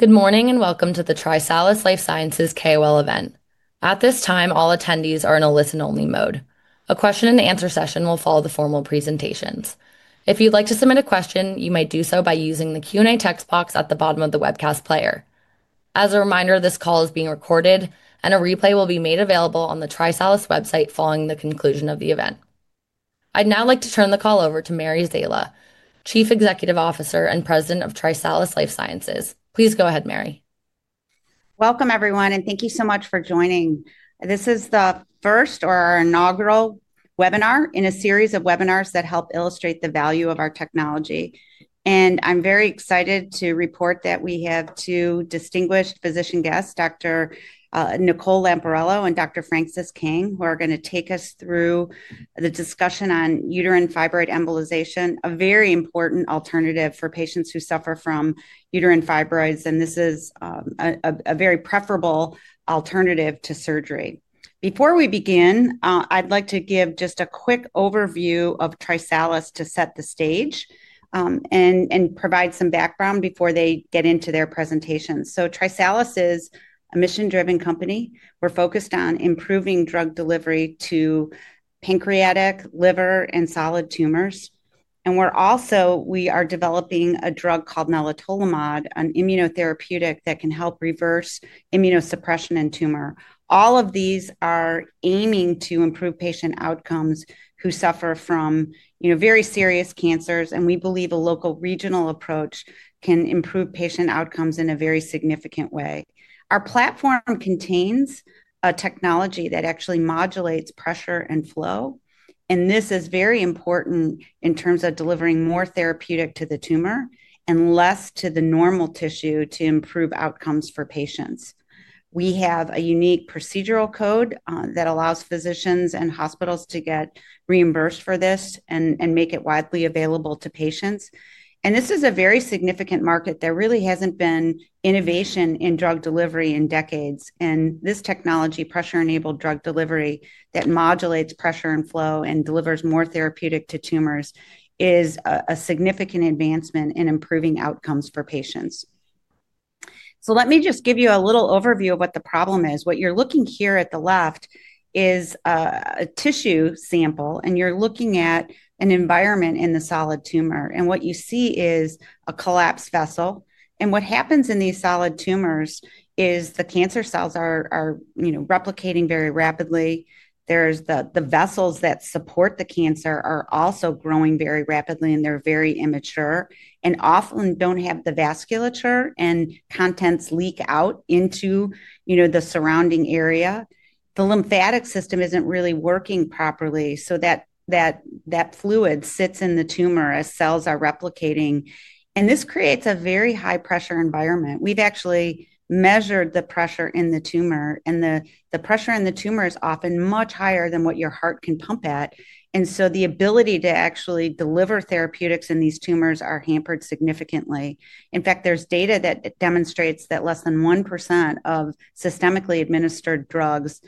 Good morning and welcome to the TriSalus Life Sciences KOL event. At this time, all attendees are in a listen-only mode. A question-and-answer session will follow the formal presentations. If you'd like to submit a question, you might do so by using the Q&A text box at the bottom of the webcast player. As a reminder, this call is being recorded, and a replay will be made available on the TriSalus website following the conclusion of the event. I'd now like to turn the call over to Mary Szela, Chief Executive Officer and President of TriSalus Life Sciences. Please go ahead, Mary. Welcome, everyone, and thank you so much for joining. This is the first, or our inaugural, webinar in a series of webinars that help illustrate the value of our technology. I'm very excited to report that we have two distinguished physician guests, Dr. Nicole Lamparello and Dr. Francis Kang, who are going to take us through the discussion on uterine fibroid embolization, a very important alternative for patients who suffer from uterine fibroids, and this is a very preferable alternative to surgery. Before we begin, I'd like to give just a quick overview of TriSalus to set the stage and provide some background before they get into their presentations. TriSalus is a mission-driven company. We're focused on improving drug delivery to pancreatic, liver, and solid tumors. We're also developing a drug called nelitolimod, an immunotherapeutic that can help reverse immunosuppression in tumor. All of these are aiming to improve patient outcomes who suffer from very serious cancers, and we believe a local regional approach can improve patient outcomes in a very significant way. Our platform contains a technology that actually modulates pressure and flow, and this is very important in terms of delivering more therapeutic to the tumor and less to the normal tissue to improve outcomes for patients. We have a unique procedural code that allows physicians and hospitals to get reimbursed for this and make it widely available to patients. This is a very significant market. There really hasn't been innovation in drug delivery in decades, and this technology, pressure-enabled drug delivery that modulates pressure and flow and delivers more therapeutic to tumors, is a significant advancement in improving outcomes for patients. Let me just give you a little overview of what the problem is. What you're looking here at the left is a tissue sample, and you're looking at an environment in the solid tumor. What you see is a collapsed vessel. What happens in these solid tumors is the cancer cells are replicating very rapidly. The vessels that support the cancer are also growing very rapidly, and they're very immature and often don't have the vasculature, and contents leak out into the surrounding area. The lymphatic system isn't really working properly, so that fluid sits in the tumor as cells are replicating. This creates a very high-pressure environment. We've actually measured the pressure in the tumor, and the pressure in the tumor is often much higher than what your heart can pump at. The ability to actually deliver therapeutics in these tumors is hampered significantly. In fact, there's data that demonstrates that less than 1% of systemically administered drugs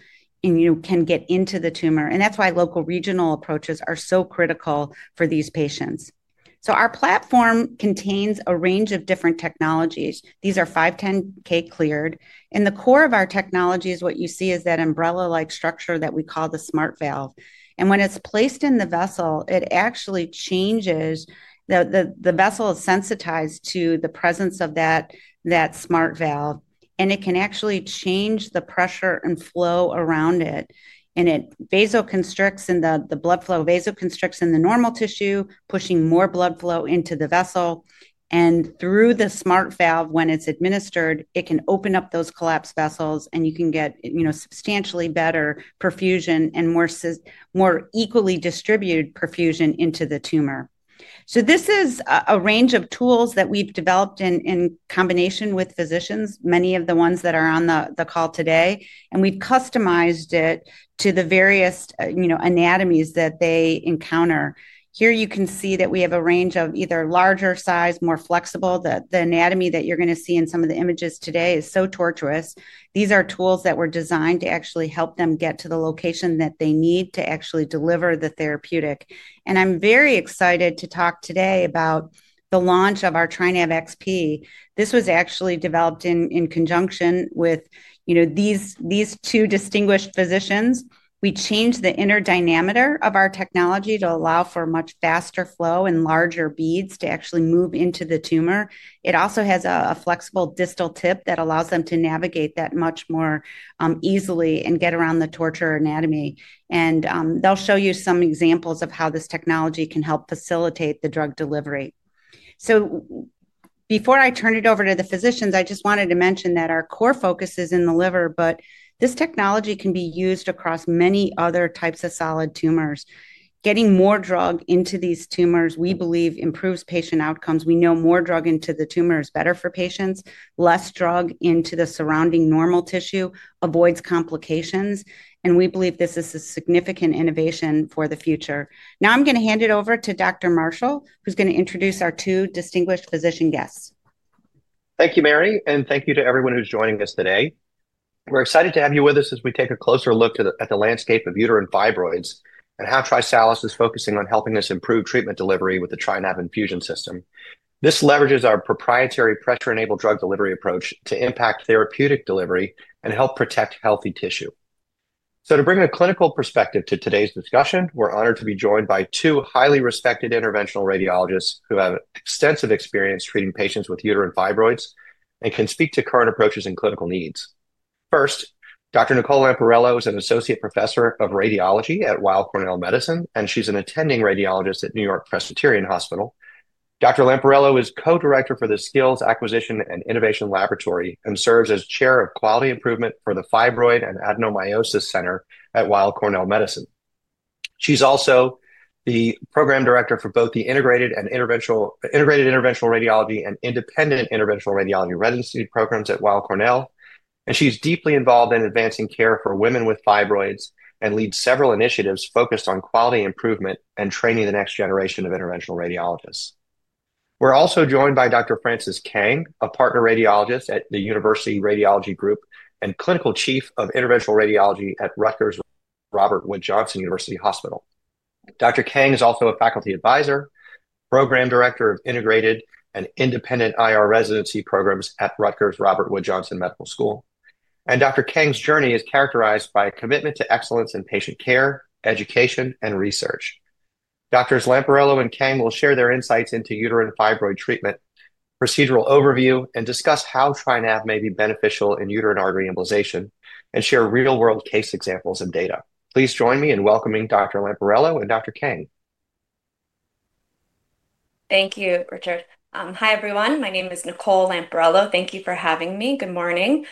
can get into the tumor. That's why local regional approaches are so critical for these patients. Our platform contains a range of different technologies. These are 510(k) cleared. In the core of our technologies, what you see is that umbrella-like structure that we call the SmartValve. When it's placed in the vessel, it actually changes the vessel, is sensitized to the presence of that SmartValve, and it can actually change the pressure and flow around it. It vasoconstricts in the blood flow, vasoconstricts in the normal tissue, pushing more blood flow into the vessel. Through the SmartValve, when it's administered, it can open up those collapsed vessels, and you can get substantially better perfusion and more equally distributed perfusion into the tumor. This is a range of tools that we've developed in combination with physicians, many of the ones that are on the call today, and we've customized it to the various anatomies that they encounter. Here you can see that we have a range of either larger size, more flexible. The anatomy that you're going to see in some of the images today is so tortuous. These are tools that were designed to actually help them get to the location that they need to actually deliver the therapeutic. I'm very excited to talk today about the launch of our TriNav XP. This was actually developed in conjunction with these two distinguished physicians. We changed the inner diameter of our technology to allow for much faster flow and larger beads to actually move into the tumor. It also has a flexible distal tip that allows them to navigate that much more easily and get around the tortuous anatomy. They will show you some examples of how this technology can help facilitate the drug delivery. Before I turn it over to the physicians, I just wanted to mention that our core focus is in the liver, but this technology can be used across many other types of solid tumors. Getting more drug into these tumors, we believe, improves patient outcomes. We know more drug into the tumor is better for patients, less drug into the surrounding normal tissue avoids complications, and we believe this is a significant innovation for the future. Now I am going to hand it over to Dr. Marshall, who is going to introduce our two distinguished physician guests. Thank you, Mary, and thank you to everyone who's joining us today. We're excited to have you with us as we take a closer look at the landscape of uterine fibroids and how TriSalus is focusing on helping us improve treatment delivery with the TriNav Infusion System. This leverages our proprietary Pressure-Enabled Drug Delivery approach to impact therapeutic delivery and help protect healthy tissue. To bring a clinical perspective to today's discussion, we're honored to be joined by two highly respected interventional radiologists who have extensive experience treating patients with uterine fibroids and can speak to current approaches and clinical needs. First, Dr. Nicole Lamparello is an associate professor of radiology at Weill Cornell Medicine, and she's an attending radiologist at New York Presbyterian Hospital. Dr. Lamparello is co-director for the Skills Acquisition and Innovation Laboratory and serves as Chair of Quality Improvement for the Fibroid and Adenomyosis Center at Weill Cornell Medicine. She's also the Program Director for both the integrated and integrated interventional radiology and independent interventional radiology residency programs at Weill Cornell, and she's deeply involved in advancing care for women with fibroids and leads several initiatives focused on quality improvement and training the next generation of interventional radiologists. We're also joined by Dr. Francis Kang, a partner radiologist at the University Radiology Group and Clinical Chief of Interventional Radiology at Rutgers Robert Wood Johnson University Hospital. Dr. Kang is also a faculty advisor, Program Director of integrated and independent IR residency programs at Rutgers Robert Wood Johnson Medical School. Dr. Kang's journey is characterized by a commitment to excellence in patient care, education, and research. Doctors Lamparello and Kang will share their insights into uterine fibroid treatment, procedural overview, and discuss how TriNav may be beneficial in uterine artery embolization and share real-world case examples and data. Please join me in welcoming Dr. Lamparello and Dr. Kang. Thank you, Richard. Hi, everyone. My name is Nicole Lamparello. Thank you for having me. Good morning. I'm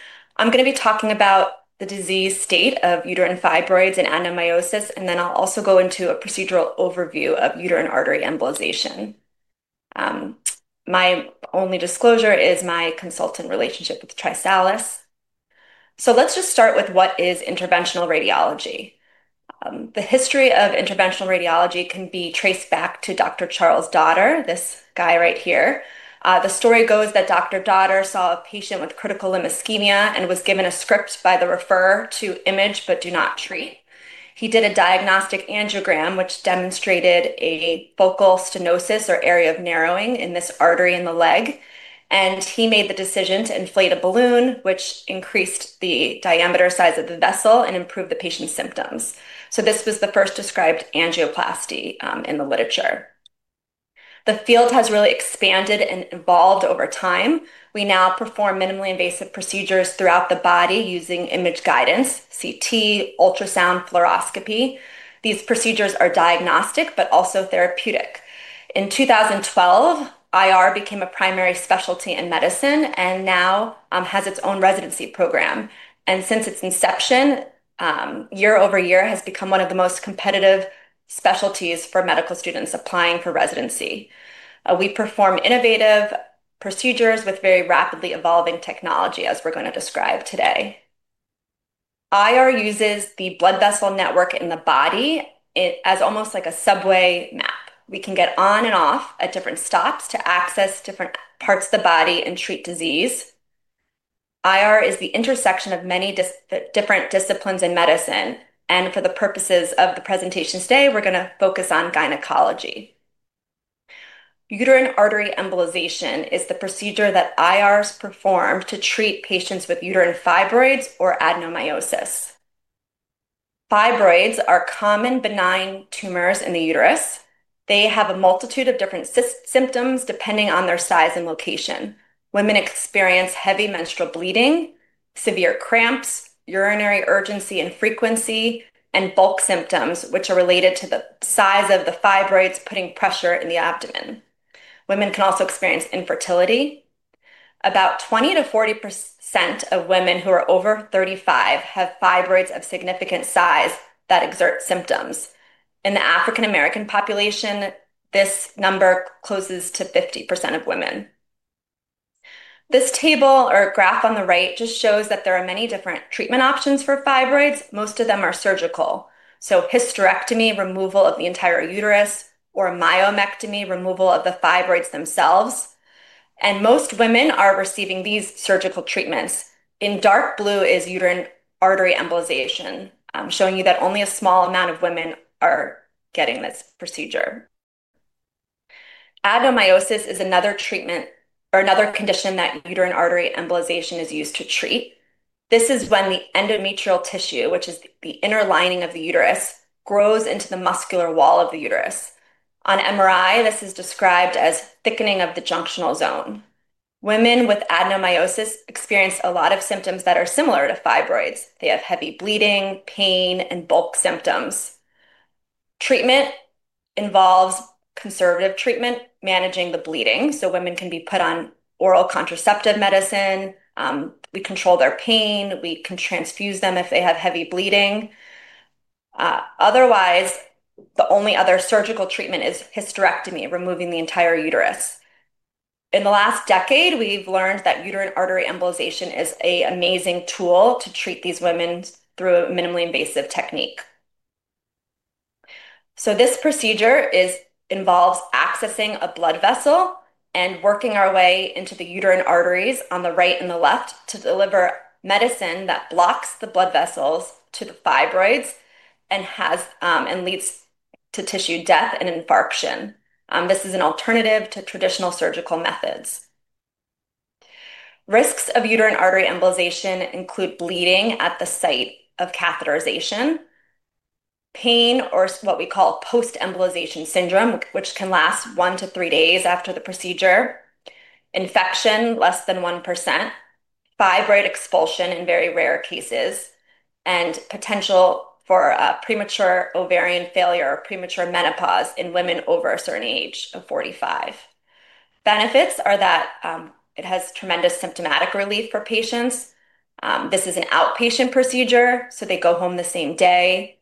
going to be talking about the disease state of uterine fibroids and adenomyosis, and then I'll also go into a procedural overview of uterine artery embolization. My only disclosure is my consultant relationship with TriSalus. Let's just start with what is interventional radiology. The history of interventional radiology can be traced back to Dr. Charles Dotter, this guy right here. The story goes that Dr. Dotter saw a patient with critical limb ischemia and was given a script by the referrer to image, but do not treat. He did a diagnostic angiogram, which demonstrated a focal stenosis or area of narrowing in this artery in the leg, and he made the decision to inflate a balloon, which increased the diameter size of the vessel and improved the patient's symptoms. This was the first described angioplasty in the literature. The field has really expanded and evolved over time. We now perform minimally invasive procedures throughout the body using image guidance, CT, ultrasound, fluoroscopy. These procedures are diagnostic, but also therapeutic. In 2012, IR became a primary specialty in medicine and now has its own residency program. Since its inception, year over year, it has become one of the most competitive specialties for medical students applying for residency. We perform innovative procedures with very rapidly evolving technology, as we're going to describe today. IR uses the blood vessel network in the body as almost like a subway map. We can get on and off at different stops to access different parts of the body and treat disease. IR is the intersection of many different disciplines in medicine. For the purposes of the presentation today, we're going to focus on gynecology. Uterine artery embolization is the procedure that IRs perform to treat patients with uterine fibroids or adenomyosis. Fibroids are common benign tumors in the uterus. They have a multitude of different symptoms depending on their size and location. Women experience heavy menstrual bleeding, severe cramps, urinary urgency and frequency, and bulk symptoms, which are related to the size of the fibroids putting pressure in the abdomen. Women can also experience infertility. About 20%-40% of women who are over 35 have fibroids of significant size that exert symptoms. In the African-American population, this number closes to 50% of women. This table or graph on the right just shows that there are many different treatment options for fibroids. Most of them are surgical, so hysterectomy, removal of the entire uterus, or myomectomy, removal of the fibroids themselves. Most women are receiving these surgical treatments. In dark blue is uterine artery embolization, showing you that only a small amount of women are getting this procedure. Adenomyosis is another condition that uterine artery embolization is used to treat. This is when the endometrial tissue, which is the inner lining of the uterus, grows into the muscular wall of the uterus. On MRI, this is described as thickening of the junctional zone. Women with adenomyosis experience a lot of symptoms that are similar to fibroids. They have heavy bleeding, pain, and bulk symptoms. Treatment involves conservative treatment, managing the bleeding. Women can be put on oral contraceptive medicine. We control their pain. We can transfuse them if they have heavy bleeding. Otherwise, the only other surgical treatment is hysterectomy, removing the entire uterus. In the last decade, we've learned that uterine artery embolization is an amazing tool to treat these women through a minimally invasive technique. This procedure involves accessing a blood vessel and working our way into the uterine arteries on the right and the left to deliver medicine that blocks the blood vessels to the fibroids and leads to tissue death and infarction. This is an alternative to traditional surgical methods. Risks of uterine artery embolization include bleeding at the site of catheterization, pain or what we call post-embolization syndrome, which can last one to three days after the procedure, infection, less than 1%, fibroid expulsion in very rare cases, and potential for premature ovarian failure or premature menopause in women over a certain age of 45. Benefits are that it has tremendous symptomatic relief for patients. This is an outpatient procedure, so they go home the same day.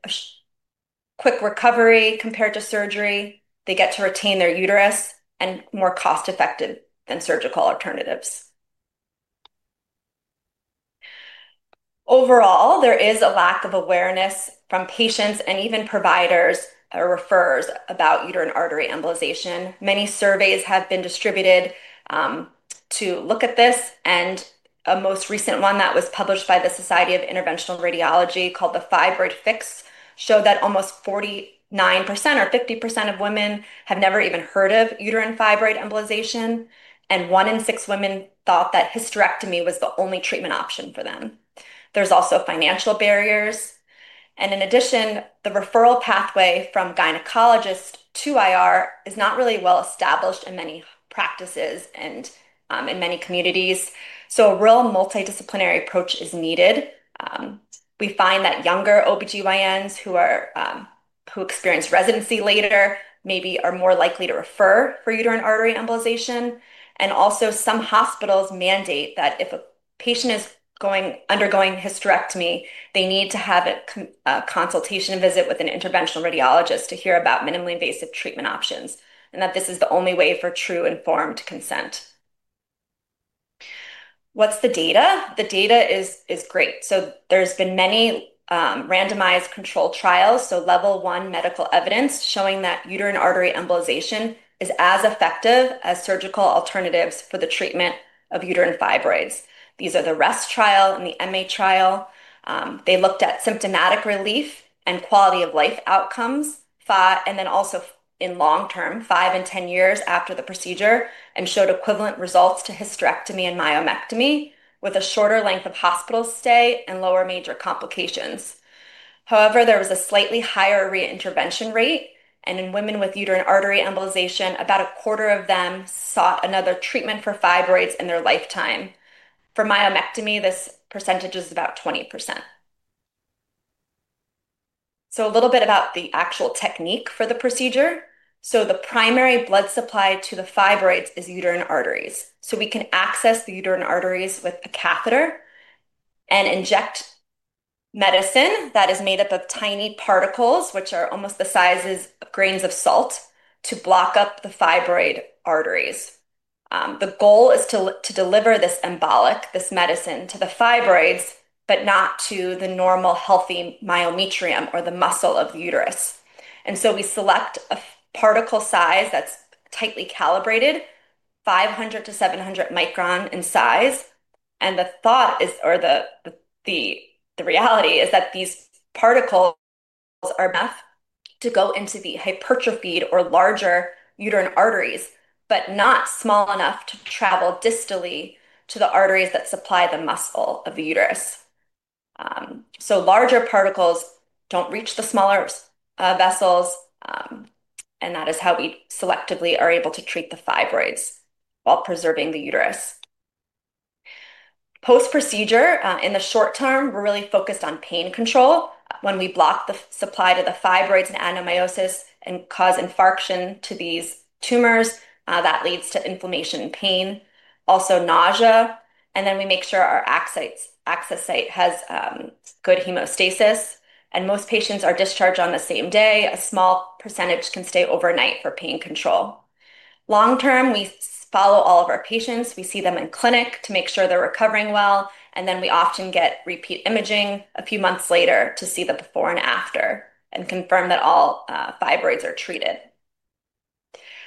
Quick recovery compared to surgery. They get to retain their uterus and more cost-effective than surgical alternatives. Overall, there is a lack of awareness from patients and even providers or referrers about uterine artery embolization. Many surveys have been distributed to look at this, and a most recent one that was published by the Society of Interventional Radiology called the Fibroid Fix showed that almost 49% or 50% of women have never even heard of uterine fibroid embolization, and one in six women thought that hysterectomy was the only treatment option for them. There are also financial barriers. In addition, the referral pathway from gynecologist to IR is not really well established in many practices and in many communities. A real multidisciplinary approach is needed. We find that younger OB-GYNs who experience residency later maybe are more likely to refer for uterine artery embolization. Also, some hospitals mandate that if a patient is undergoing hysterectomy, they need to have a consultation visit with an interventional radiologist to hear about minimally invasive treatment options and that this is the only way for true informed consent. What's the data? The data is great. There have been many randomized controlled trials, so level one medical evidence showing that uterine artery embolization is as effective as surgical alternatives for the treatment of uterine fibroids. These are the REST trial and the EMMY trial. They looked at symptomatic relief and quality of life outcomes, and then also in long term, five and ten years after the procedure, and showed equivalent results to hysterectomy and myomectomy with a shorter length of hospital stay and lower major complications. However, there was a slightly higher re-intervention rate, and in women with uterine artery embolization, about a quarter of them sought another treatment for fibroids in their lifetime. For myomectomy, this percentage is about 20%. A little bit about the actual technique for the procedure. The primary blood supply to the fibroids is uterine arteries. We can access the uterine arteries with a catheter and inject medicine that is made up of tiny particles, which are almost the size of grains of salt, to block up the fibroid arteries. The goal is to deliver this embolic, this medicine, to the fibroids, but not to the normal healthy myometrium or the muscle of the uterus. We select a particle size that is tightly calibrated, 500 microns-700 microns in size. The thought is, or the reality is that these particles are enough to go into the hypertrophied or larger uterine arteries, but not small enough to travel distally to the arteries that supply the muscle of the uterus. Larger particles do not reach the smaller vessels, and that is how we selectively are able to treat the fibroids while preserving the uterus. Post-procedure, in the short term, we are really focused on pain control. When we block the supply to the fibroids and adenomyosis and cause infarction to these tumors, that leads to inflammation and pain, also nausea. We make sure our access site has good hemostasis. Most patients are discharged on the same day. A small percentage can stay overnight for pain control. Long term, we follow all of our patients. We see them in clinic to make sure they are recovering well. We often get repeat imaging a few months later to see the before and after and confirm that all fibroids are treated.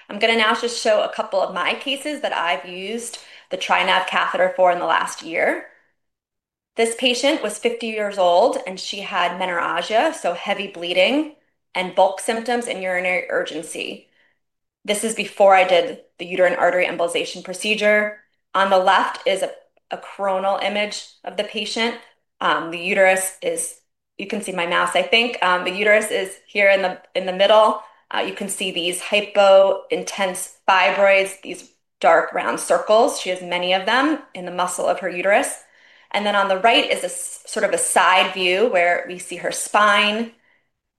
I'm going to now just show a couple of my cases that I've used the TriNav catheter for in the last year. This patient was 50 years old, and she had menorrhagia, so heavy bleeding and bulk symptoms and urinary urgency. This is before I did the uterine artery embolization procedure. On the left is a coronal image of the patient. The uterus is, you can see my mouse, I think. The uterus is here in the middle. You can see these hypo-intense fibroids, these dark round circles. She has many of them in the muscle of her uterus. On the right is a sort of a side view where we see her spine,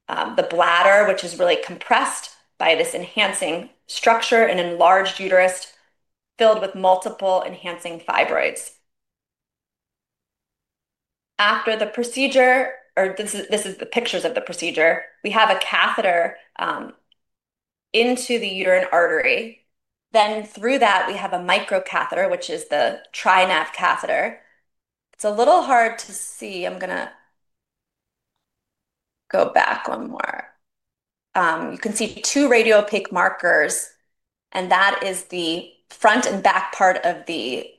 the bladder, which is really compressed by this enhancing structure and enlarged uterus filled with multiple enhancing fibroids. After the procedure, or this is the pictures of the procedure, we have a catheter into the uterine artery. Then through that, we have a microcatheter, which is the TriNav catheter. It's a little hard to see. I'm going to go back one more. You can see two radiopaque markers, and that is the front and back part of the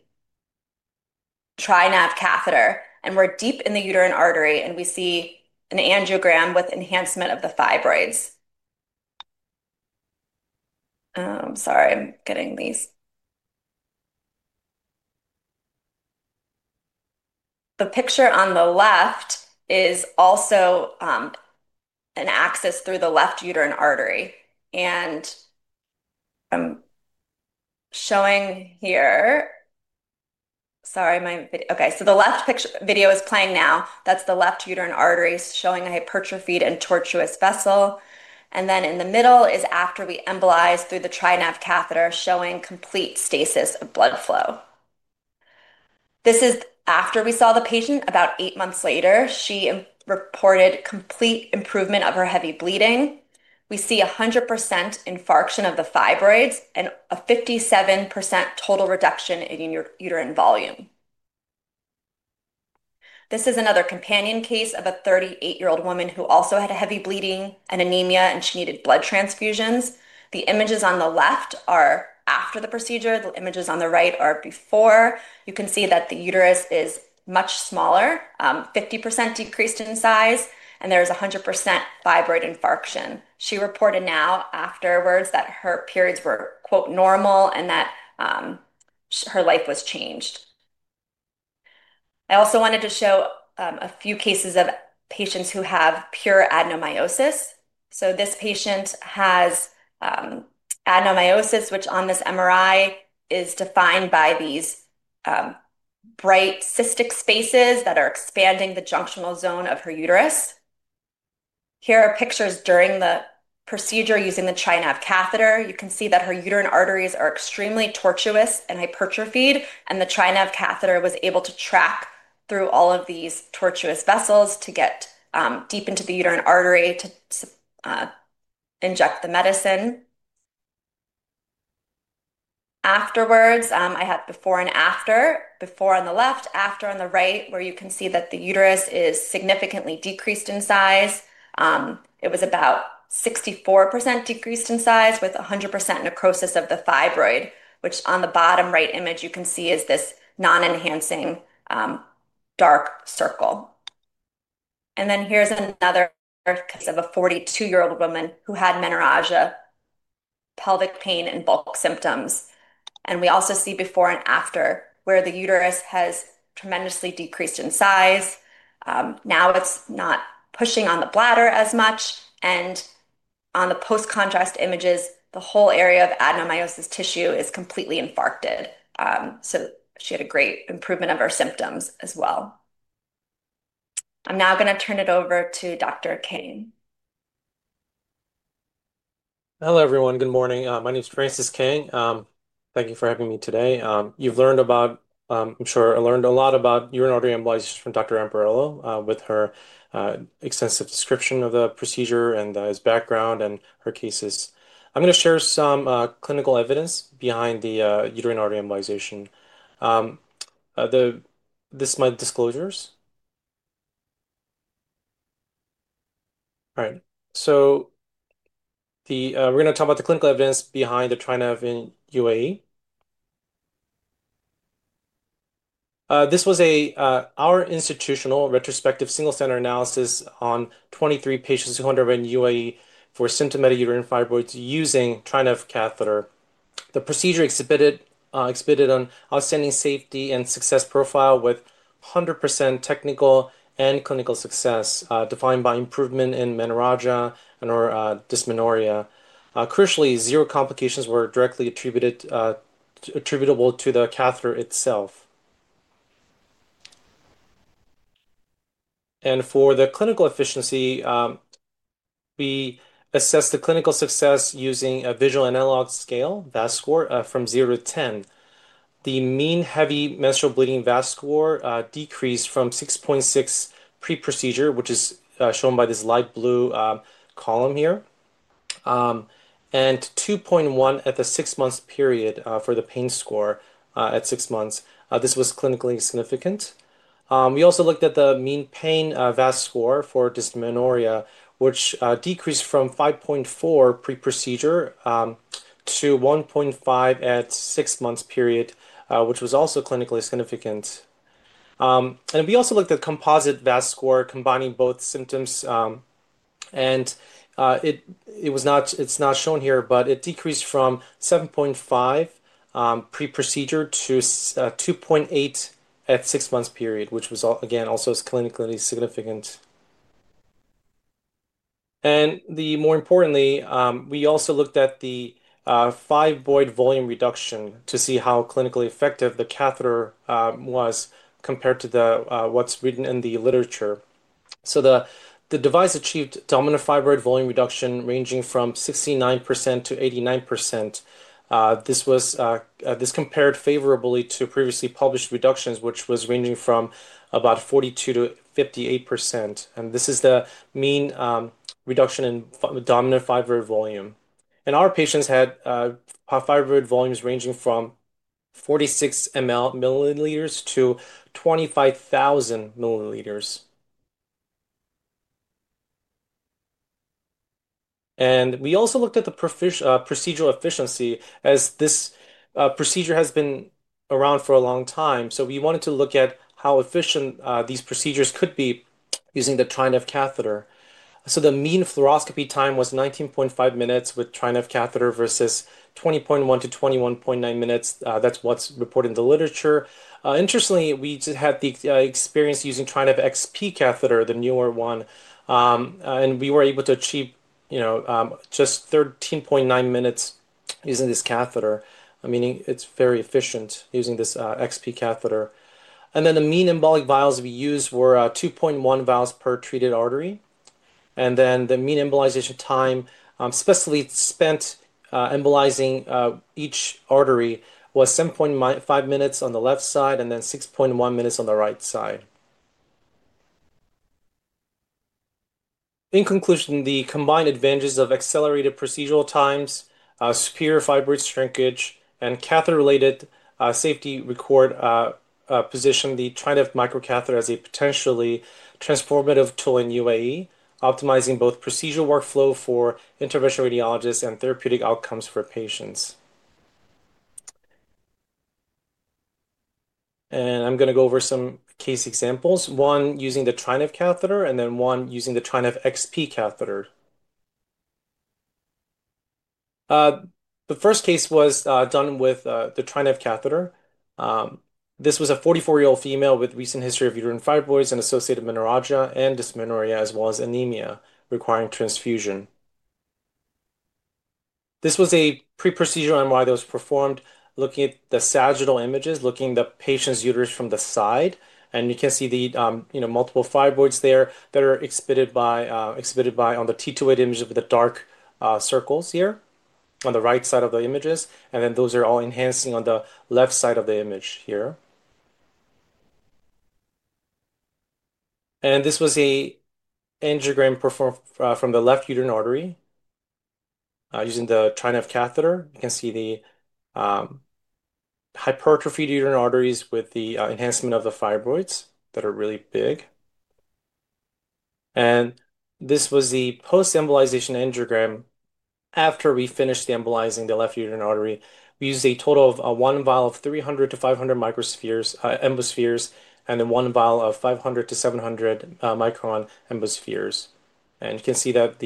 TriNav catheter. We're deep in the uterine artery, and we see an angiogram with enhancement of the fibroids. I'm sorry, I'm getting these. The picture on the left is also an access through the left uterine artery. I'm showing here, sorry, my video, okay, the left video is playing now. That's the left uterine artery showing a hypertrophied and tortuous vessel. In the middle is after we embolize through the TriNav catheter showing complete stasis of blood flow. This is after we saw the patient, about eight months later. She reported complete improvement of her heavy bleeding. We see 100% infarction of the fibroids and a 57% total reduction in uterine volume. This is another companion case of a 38-year-old woman who also had heavy bleeding and anemia, and she needed blood transfusions. The images on the left are after the procedure. The images on the right are before. You can see that the uterus is much smaller, 50% decreased in size, and there is 100% fibroid infarction. She reported now afterwards that her periods were "normal" and that her life was changed. I also wanted to show a few cases of patients who have pure adenomyosis. This patient has adenomyosis, which on this MRI is defined by these bright cystic spaces that are expanding the junctional zone of her uterus. Here are pictures during the procedure using the TriNav catheter. You can see that her uterine arteries are extremely tortuous and hypertrophied, and the TriNav catheter was able to track through all of these tortuous vessels to get deep into the uterine artery to inject the medicine. Afterwards, I had before and after, before on the left, after on the right, where you can see that the uterus is significantly decreased in size. It was about 64% decreased in size with 100% necrosis of the fibroid, which on the bottom right image you can see is this non-enhancing dark circle. Here is another case of a 42-year-old woman who had menorrhagia, pelvic pain, and bulk symptoms. We also see before and after where the uterus has tremendously decreased in size. Now it is not pushing on the bladder as much. On the post-contrast images, the whole area of adenomyosis tissue is completely infarcted. She had a great improvement of her symptoms as well. I am now going to turn it over to Dr. Kang. Hello everyone. Good morning. My name is Francis Kang. Thank you for having me today. You have learned about, I am sure I learned a lot about uterine artery embolization from Dr. Lamparello with her extensive description of the procedure and her background and her cases. I am going to share some clinical evidence behind the uterine artery embolization. These are my disclosures. All right. We are going to talk about the clinical evidence behind the TriNav in U.A.E. This was our institutional retrospective single-center analysis on 23 patients who underwent U.A.E. for symptomatic uterine fibroids using TriNav catheter. The procedure exhibited an outstanding safety and success profile with 100% technical and clinical success defined by improvement in menorrhagia and/or dysmenorrhea. Crucially, zero complications were directly attributable to the catheter itself. For the clinical efficiency, we assessed the clinical success using a visual analog scale, VAS score from 0 to 10. The mean heavy menstrual bleeding VAS score decreased from 6.6 pre-procedure, which is shown by this light blue column here, and 2.1 at the six-month period. For the pain score at six months, this was clinically significant. We also looked at the mean pain VAS score for dysmenorrhea, which decreased from 5.4 pre-procedure to 1.5 at six-month period, which was also clinically significant. We also looked at composite VAS score combining both symptoms, and it's not shown here, but it decreased from 7.5 pre-procedure to 2.8 at six-month period, which was, again, also clinically significant. More importantly, we also looked at the fibroid volume reduction to see how clinically effective the catheter was compared to what's written in the literature. The device achieved dominant fibroid volume reduction ranging from 69%-89%. This compared favorably to previously published reductions, which was ranging from about 42%-58%. This is the mean reduction in dominant fibroid volume. Our patients had fibroid volumes ranging from 46 mL to 25,000 mL. We also looked at the procedural efficiency as this procedure has been around for a long time. We wanted to look at how efficient these procedures could be using the TriNav catheter. The mean fluoroscopy time was 19.5 minutes with TriNav catheter versus 20.1 minutes-21.9 minutes. That is what is reported in the literature. Interestingly, we had the experience using TriNav XP catheter, the newer one, and we were able to achieve just 13.9 minutes using this catheter, meaning it is very efficient using this XP catheter. The mean embolic vials we used were 2.1 vials per treated artery. The mean embolization time, especially spent embolizing each artery, was 7.5 minutes on the left side and 6.1 minutes on the right side. In conclusion, the combined advantages of accelerated procedural times, superior fibroid shrinkage, and catheter-related safety record position the TriNav microcatheter as a potentially transformative tool in U.A.E, optimizing both procedural workflow for interventional radiologists and therapeutic outcomes for patients. I'm going to go over some case examples, one using the TriNav catheter and then one using the TriNav XP catheter. The first case was done with the TriNav catheter. This was a 44-year-old female with a recent history of uterine fibroids and associated menorrhagia and dysmenorrhea as well as anemia requiring transfusion. This was a pre-procedural MRI that was performed looking at the sagittal images, looking at the patient's uterus from the side. You can see the multiple fibroids there that are exhibited by on the T2 image with the dark circles here on the right side of the images. Those are all enhancing on the left side of the image here. This was an angiogram performed from the left uterine artery using the TriNav catheter. You can see the hypertrophied uterine arteries with the enhancement of the fibroids that are really big. This was the post-embolization angiogram after we finished embolizing the left uterine artery. We used a total of one vial of 300 micron-500 micron Embospheres and then one vial of 500 micron-700 micron Embospheres. You can see that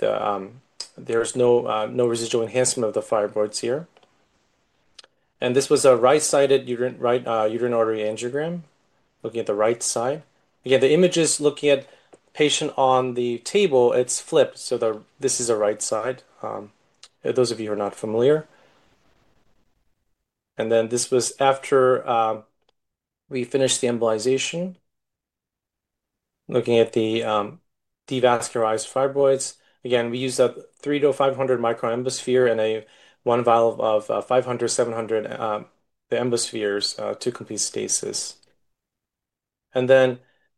there is no residual enhancement of the fibroids here. This was a right-sided uterine artery angiogram looking at the right side. The images looking at the patient on the table are flipped, so this is the right side for those of you who are not familiar. This was after we finished the embolization looking at the devascularized fibroids. We used a 300 micron-500 micron Embosphere and one vial of 500 micron-700 micron Embospheres to complete stasis.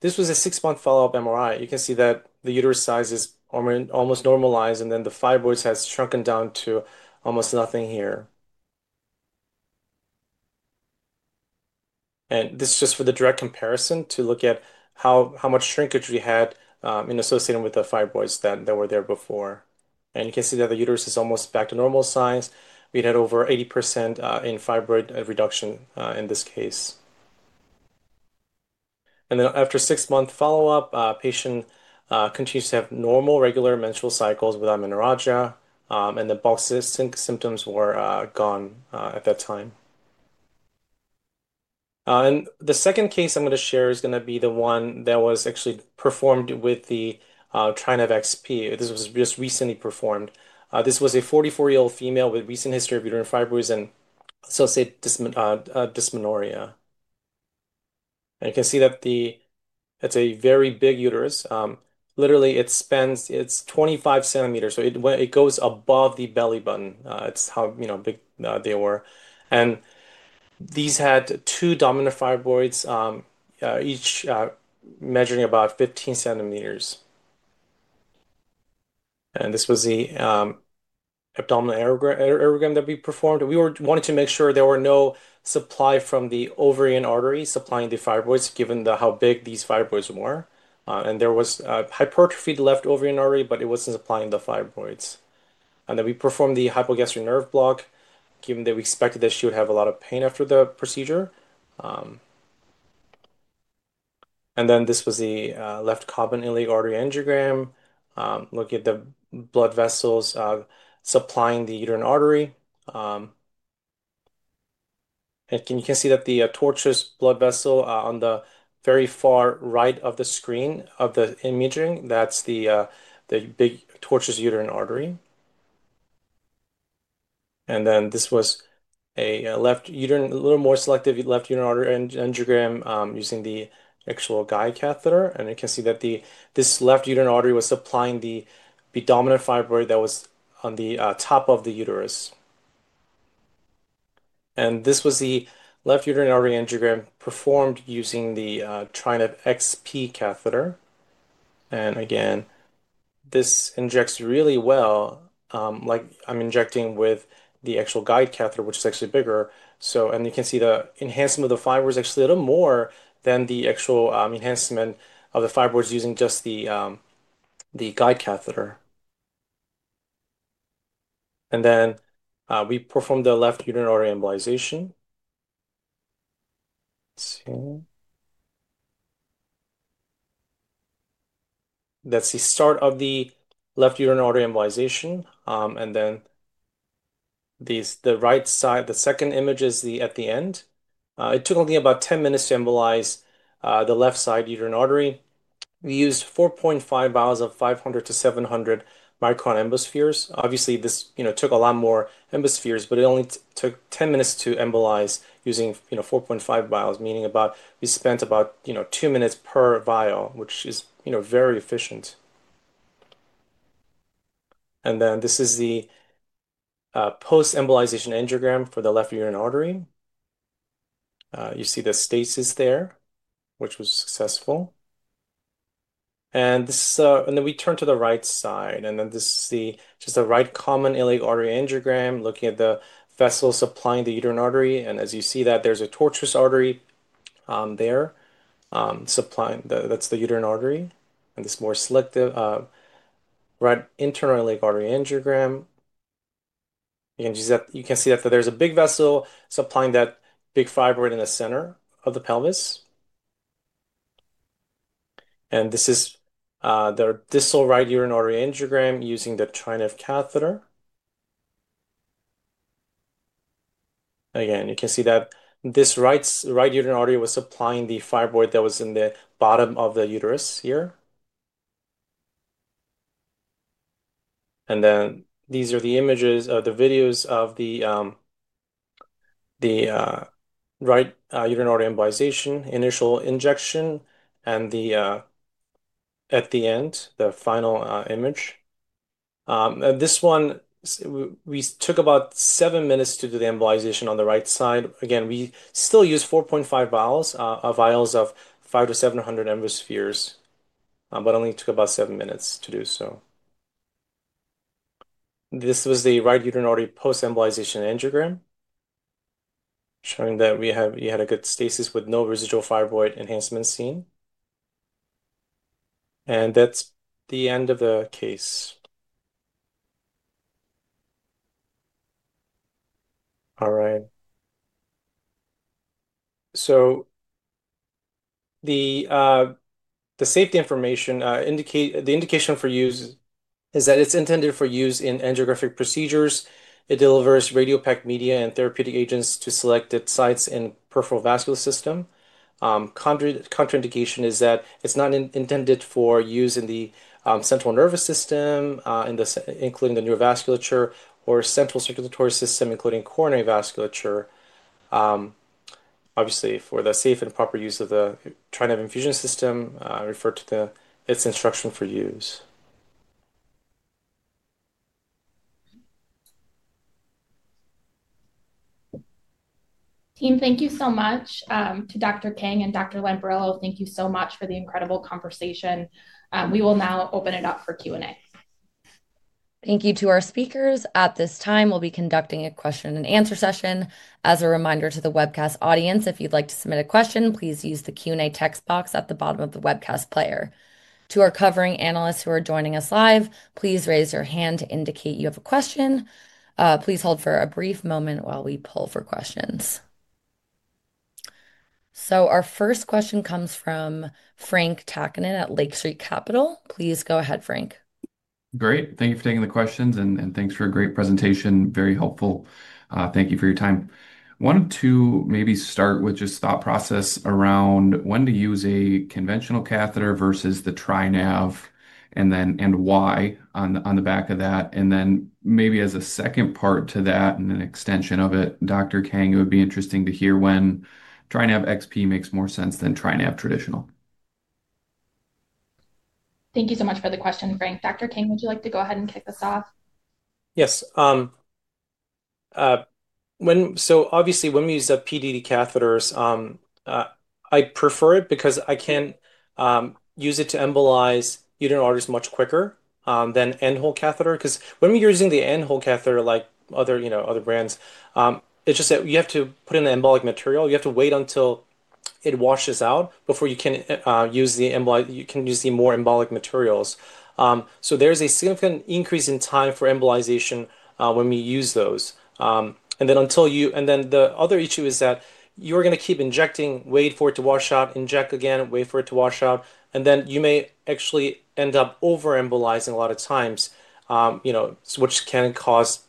This was a six-month follow-up MRI. You can see that the uterus size is almost normalized, and then the fibroids have shrunken down to almost nothing here. This is just for the direct comparison to look at how much shrinkage we had in associating with the fibroids that were there before. You can see that the uterus is almost back to normal size. We had over 80% in fibroid reduction in this case. After six-month follow-up, the patient continues to have normal regular menstrual cycles without menorrhagia, and the bulk symptoms were gone at that time. The second case I am going to share is going to be the one that was actually performed with the TriNav XP. This was just recently performed. This was a 44-year-old female with a recent history of uterine fibroids and associated dysmenorrhea. You can see that it is a very big uterus. Literally, it spans its 25 cm. It goes above the belly button. It's how big they were. These had two dominant fibroids, each measuring about 15 cm. This was the abdominal aortogram that we performed. We wanted to make sure there was no supply from the ovarian artery supplying the fibroids given how big these fibroids were. There was hypertrophy of the left ovarian artery, but it was not supplying the fibroids. We performed the hypogastric nerve block given that we expected that she would have a lot of pain after the procedure. This was the left common iliac artery angiogram looking at the blood vessels supplying the uterine artery. You can see that the tortuous blood vessel on the very far right of the screen of the imaging, that's the big tortuous uterine artery. This was a little more selective left uterine artery angiogram using the actual guide catheter. You can see that this left uterine artery was supplying the dominant fibroid that was on the top of the uterus. This was the left uterine artery angiogram performed using the TriNav XP catheter. Again, this injects really well, like I'm injecting with the actual guide catheter, which is actually bigger. You can see the enhancement of the fibroids is actually a little more than the actual enhancement of the fibroids using just the guide catheter. We performed the left uterine artery embolization. That is the start of the left uterine artery embolization. The right side, the second image, is at the end. It took only about 10 minutes to embolize the left side uterine artery. We used 4.5 vials of 500 micron-700 micron Embospheres. Obviously, this took a lot more embospheres, but it only took 10 minutes to embolize using 4.5 vials, meaning we spent about two minutes per vial, which is very efficient. This is the post-embolization angiogram for the left uterine artery. You see the stasis there, which was successful. We turned to the right side. This is just a right common iliac artery angiogram looking at the vessels supplying the uterine artery. As you see that, there is a tortuous artery there supplying the uterine artery. This more selective right internal iliac artery angiogram shows that there is a big vessel supplying that big fibroid in the center of the pelvis. This is the distal right uterine artery angiogram using the TriNav catheter. Again, you can see that this right uterine artery was supplying the fibroid that was in the bottom of the uterus here. These are the images of the videos of the right uterine artery embolization, initial injection, and at the end, the final image. This one, we took about seven minutes to do the embolization on the right side. Again, we still used 4.5 vials of 500 Embospheres-700 Embospheres, but only took about seven minutes to do so. This was the right uterine artery post-embolization angiogram showing that we had a good stasis with no residual fibroid enhancement seen. That is the end of the case. All right. The safety information indication for use is that it is intended for use in angiographic procedures. It delivers radiopacque media and therapeutic agents to selected sites in the peripheral vascular system. Contraindication is that it's not intended for use in the central nervous system, including the neurovasculature or central circulatory system, including coronary vasculature. Obviously, for the safe and proper use of the TriNav Infusion System, refer to its instruction for use. Team, thank you so much. To Dr. Kang and Dr. Lamparello, thank you so much for the incredible conversation. We will now open it up for Q&A. Thank you to our speakers. At this time, we'll be conducting a question-and-answer session. As a reminder to the webcast audience, if you'd like to submit a question, please use the Q&A text box at the bottom of the webcast player. To our covering analysts who are joining us live, please raise your hand to indicate you have a question. Please hold for a brief moment while we pull for questions. Our first question comes from Frank Takkinen at Lake Street Capital. Please go ahead, Frank. Great. Thank you for taking the questions, and thanks for a great presentation. Very helpful. Thank you for your time. Wanted to maybe start with just thought process around when to use a conventional catheter versus the TriNav and why on the back of that. And then maybe as a second part to that and an extension of it, Dr. Kang, it would be interesting to hear when TriNav XP makes more sense than TriNav traditional. Thank you so much for the question, Frank. Dr. Kang, would you like to go ahead and kick us off? Yes. Obviously, when we use the PEDD catheters, I prefer it because I can use it to embolize uterine arteries much quicker than an end-hole catheter. When we're using the end-hole catheter, like other brands, it's just that you have to put in an embolic material. You have to wait until it washes out before you can use more embolic materials. There is a significant increase in time for embolization when we use those. The other issue is that you're going to keep injecting, wait for it to wash out, inject again, wait for it to wash out. You may actually end up over-embolizing a lot of times, which can cause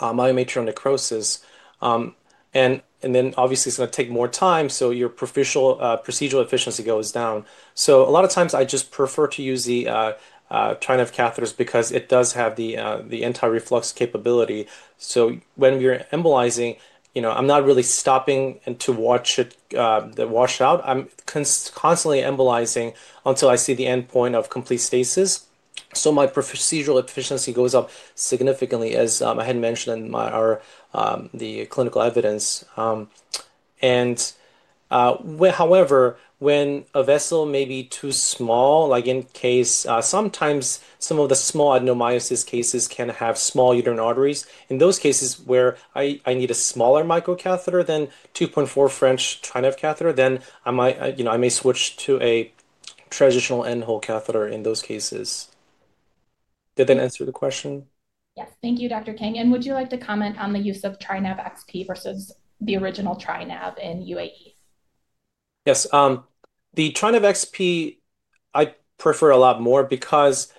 myometrial necrosis. Obviously, it's going to take more time, so your procedural efficiency goes down. A lot of times, I just prefer to use the TriNav catheters because it does have the anti-reflux capability. When we're embolizing, I'm not really stopping to watch it wash out. I'm constantly embolizing until I see the endpoint of complete stasis. My procedural efficiency goes up significantly, as I had mentioned in the clinical evidence. However, when a vessel may be too small, like in case sometimes some of the small adenomyosis cases can have small uterine arteries, in those cases where I need a smaller microcatheter than the 2.4 French TriNav catheter, then I may switch to a traditional end-hole catheter in those cases. Did that answer the question? Yes. Thank you, Dr. Kang. Would you like to comment on the use of TriNav XP versus the original TriNav in U.A.E? Yes. The TriNav XP, I prefer a lot more because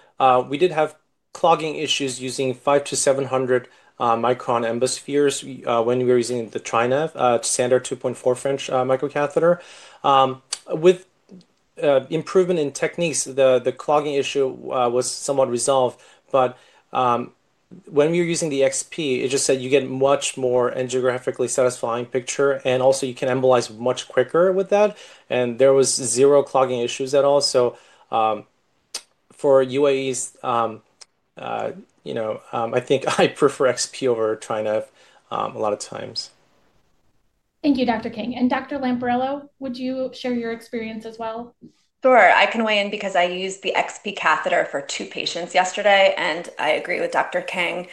we did have clogging issues using 500 micron-700 micron Embospheres when we were using the TriNav, standard 2.4 French microcatheter. With improvement in techniques, the clogging issue was somewhat resolved. When we were using the XP, it just said you get a much more angiographically satisfying picture. Also, you can embolize much quicker with that. There were zero clogging issues at all. For UAE, I think I prefer XP over TriNav a lot of times. Thank you, Dr. Kang. Dr. Lamparello, would you share your experience as well? Sure. I can weigh in because I used the XP catheter for two patients yesterday. I agree with Dr. Kang.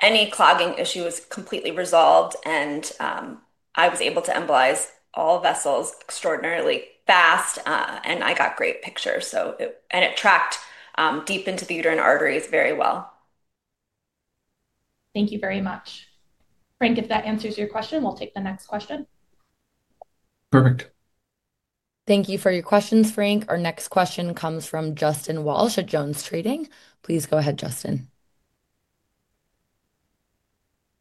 Any clogging issue was completely resolved, and I was able to embolize all vessels extraordinarily fast, and I got great pictures. It tracked deep into the uterine arteries very well. Thank you very much. Frank, if that answers your question, we'll take the next question. Perfect. Thank you for your questions, Frank. Our next question comes from Justin Walsh at Jones Trading. Please go ahead, Justin.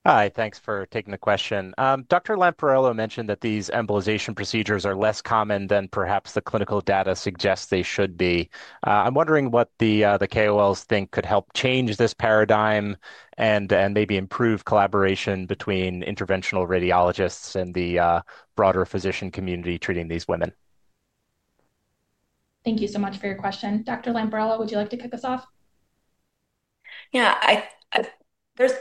Hi. Thanks for taking the question. Dr. Lamparello mentioned that these embolization procedures are less common than perhaps the clinical data suggests they should be. I'm wondering what the KOLs think could help change this paradigm and maybe improve collaboration between interventional radiologists and the broader physician community treating these women. Thank you so much for your question. Dr. Lamparello, would you like to kick us off? Yeah.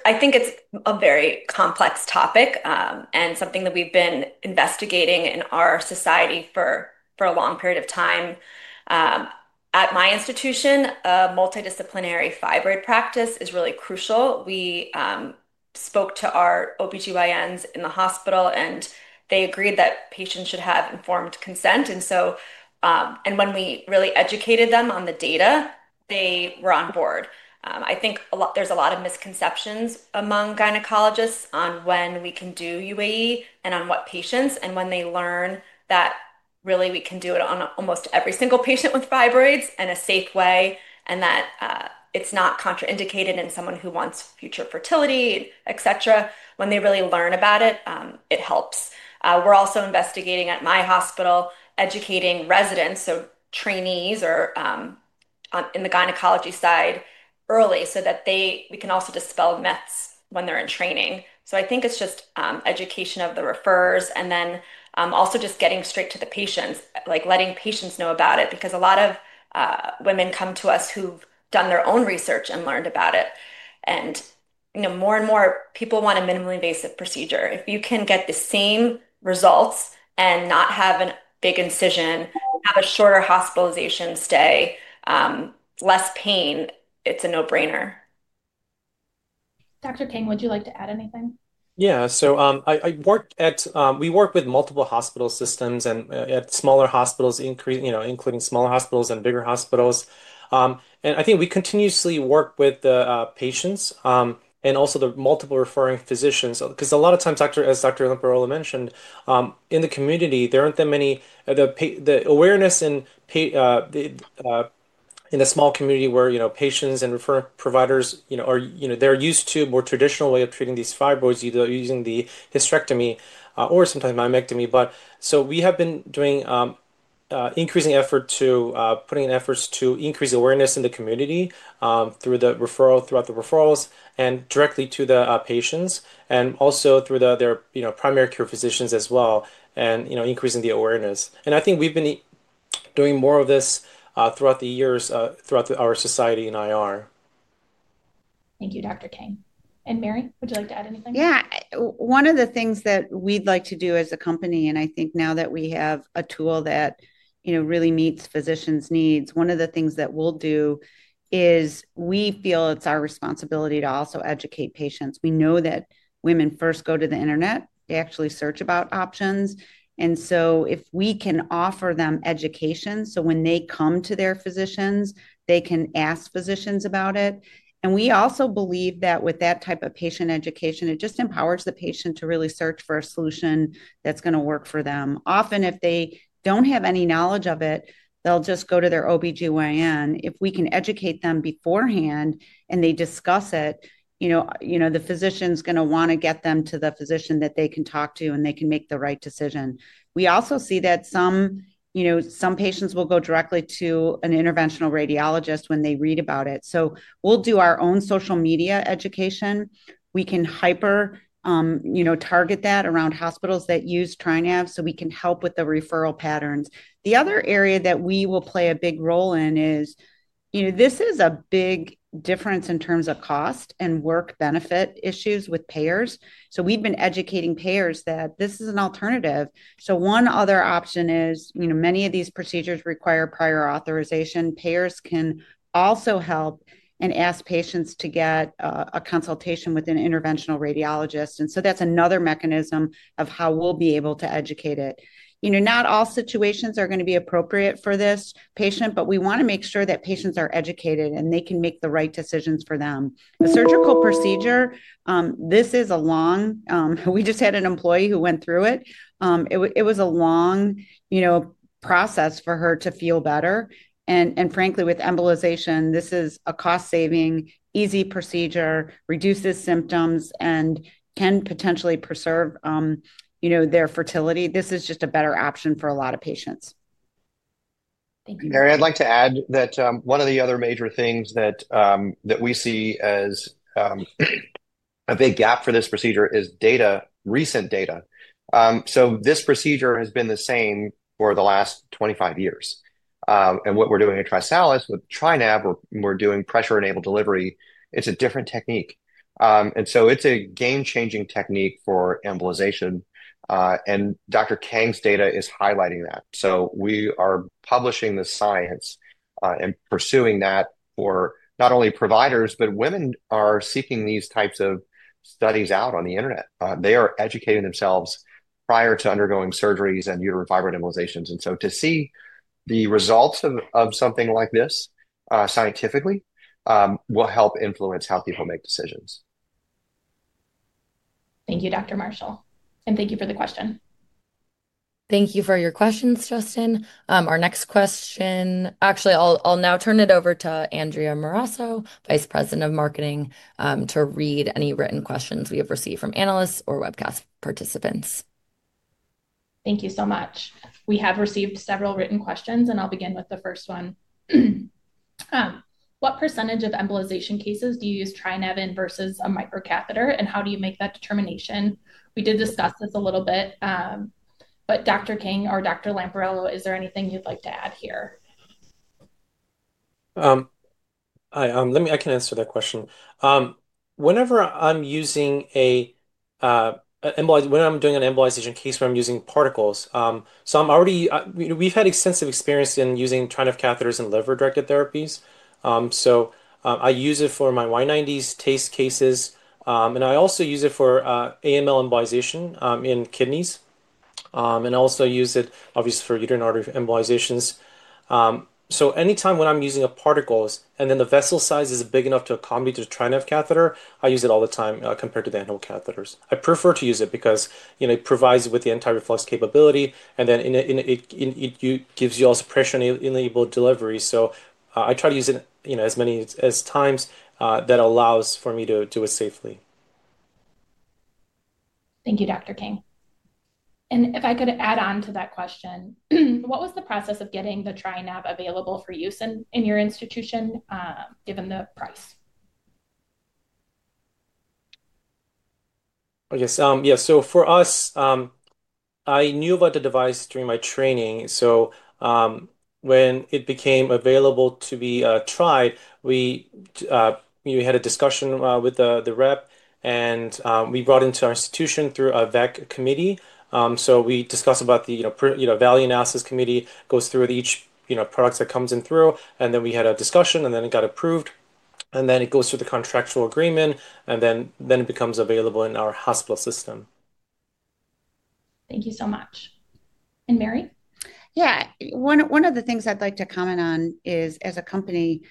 I think it's a very complex topic and something that we've been investigating in our society for a long period of time. At my institution, a multidisciplinary fibroid practice is really crucial. We spoke to our OB-GYNs in the hospital, and they agreed that patients should have informed consent. When we really educated them on the data, they were on board. I think there's a lot of misconceptions among gynecologists on when we can do U.A.E. and on what patients. When they learn that really we can do it on almost every single patient with fibroids in a safe way and that it's not contraindicated in someone who wants future fertility, et cetera, when they really learn about it, it helps. We're also investigating at my hospital, educating residents, so trainees in the gynecology side early so that we can also dispel myths when they're in training. I think it's just education of the refers and then also just getting straight to the patients, letting patients know about it. Because a lot of women come to us who've done their own research and learned about it. And more and more people want a minimally invasive procedure. If you can get the same results and not have a big incision, have a shorter hospitalization stay, less pain, it's a no-brainer. Dr. Kang, would you like to add anything? Yeah. We work with multiple hospital systems and at smaller hospitals, including smaller hospitals and bigger hospitals. I think we continuously work with the patients and also the multiple referring physicians. Because a lot of times, as Dr. Lamparello mentioned, in the community, there is not that much awareness in the small community where patients and referring providers, they are used to a more traditional way of treating these fibroids, either using the hysterectomy or sometimes myomectomy. We have been doing increasing efforts to increase awareness in the community through the referrals, and directly to the patients, and also through their primary care physicians as well, and increasing the awareness. I think we have been doing more of this throughout the years, throughout our society in IR. Thank you, Dr. Kang. Mary, would you like to add anything? Yeah. One of the things that we'd like to do as a company, and I think now that we have a tool that really meets physicians' needs, one of the things that we'll do is we feel it's our responsibility to also educate patients. We know that women first go to the internet. They actually search about options. If we can offer them education, when they come to their physicians, they can ask physicians about it. We also believe that with that type of patient education, it just empowers the patient to really search for a solution that's going to work for them. Often, if they don't have any knowledge of it, they'll just go to their OB-GYN. If we can educate them beforehand and they discuss it, the physician's going to want to get them to the physician that they can talk to and they can make the right decision. We also see that some patients will go directly to an interventional radiologist when they read about it. We will do our own social media education. We can hyper-target that around hospitals that use TriNav so we can help with the referral patterns. The other area that we will play a big role in is this is a big difference in terms of cost and work-benefit issues with payers. We have been educating payers that this is an alternative. One other option is many of these procedures require prior authorization. Payers can also help and ask patients to get a consultation with an interventional radiologist. That's another mechanism of how we'll be able to educate it. Not all situations are going to be appropriate for this patient, but we want to make sure that patients are educated and they can make the right decisions for them. The surgical procedure, this is a long, we just had an employee who went through it. It was a long process for her to feel better. Frankly, with embolization, this is a cost-saving, easy procedure, reduces symptoms, and can potentially preserve their fertility. This is just a better option for a lot of patients. Thank you. Mary, I'd like to add that one of the other major things that we see as a big gap for this procedure is data, recent data. This procedure has been the same for the last 25 years. What we're doing at TriSalus with TriNav, we're doing pressure-enabled delivery. It's a different technique. It's a game-changing technique for embolization. Dr. Kang's data is highlighting that. We are publishing the science and pursuing that for not only providers, but women are seeking these types of studies out on the internet. They are educating themselves prior to undergoing surgeries and uterine fibroid embolizations. To see the results of something like this scientifically will help influence how people make decisions. Thank you, Dr. Marshall. Thank you for the question. Thank you for your questions, Justin. Our next question, actually, I'll now turn it over to Andrea Marasso, Vice President of Marketing, to read any written questions we have received from analysts or webcast participants. Thank you so much. We have received several written questions, and I'll begin with the first one. What percentage of embolization cases do you use TriNav versus a microcatheter, and how do you make that determination? We did discuss this a little bit. Dr. Kang or Dr. Lamparello, is there anything you'd like to add here? Hi. I can answer that question. Whenever I'm using an embolization case where I'm using particles, we've had extensive experience in using TriNav catheters in liver-directed therapies. I use it for my Y90s, TACE cases. I also use it for AML embolization in kidneys. I also use it, obviously, for uterine artery embolizations. Anytime when I'm using particles and the vessel size is big enough to accommodate a TriNav catheter, I use it all the time compared to the end-hole catheters. I prefer to use it because it provides the anti-reflux capability, and it gives you also pressure-enabled delivery. I try to use it as many times as it allows for me to do it safely. Thank you, Dr. Kang. If I could add on to that question, what was the process of getting the TriNav available for use in your institution given the price? Okay. Yeah, so for us, I knew about the device during my training. When it became available to be tried, we had a discussion with the rep, and we brought it into our institution through a VEC committee. We discussed the value analysis committee process that each product goes through. We had a discussion, and then it got approved. Then it goes through the contractual agreement, and then it becomes available in our hospital system. Thank you so much. Mary? Yeah. One of the things I'd like to comment on is, as a company,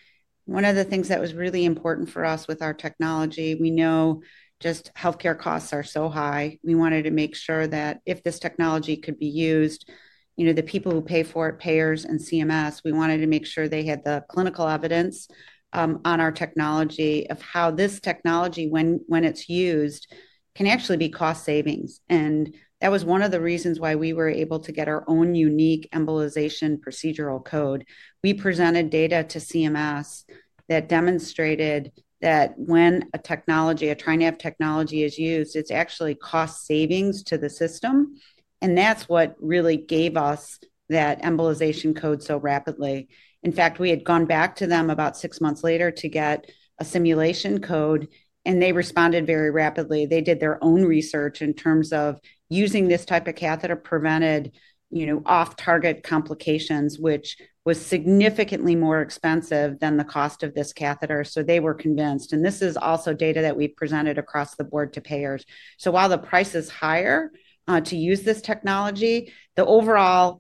one of the things that was really important for us with our technology, we know just healthcare costs are so high. We wanted to make sure that if this technology could be used, the people who pay for it, payers and CMS, we wanted to make sure they had the clinical evidence on our technology of how this technology, when it's used, can actually be cost savings. That was one of the reasons why we were able to get our own unique embolization procedural code. We presented data to CMS that demonstrated that when a technology, a TriNav technology, is used, it's actually cost savings to the system. That is what really gave us that embolization code so rapidly. In fact, we had gone back to them about six months later to get a simulation code, and they responded very rapidly. They did their own research in terms of using this type of catheter prevented off-target complications, which was significantly more expensive than the cost of this catheter. They were convinced. This is also data that we presented across the board to payers. While the price is higher to use this technology, the overall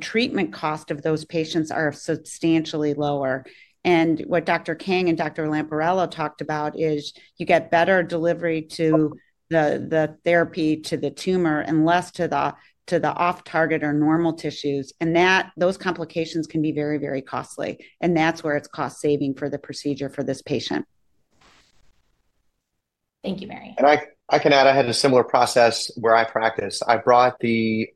treatment cost of those patients are substantially lower. What Dr. Kang and Dr. Lamparello talked about is you get better delivery to the therapy to the tumor and less to the off-target or normal tissues. Those complications can be very, very costly. That is where it is cost saving for the procedure for this patient. Thank you, Mary. I can add I had a similar process where I practiced. I brought the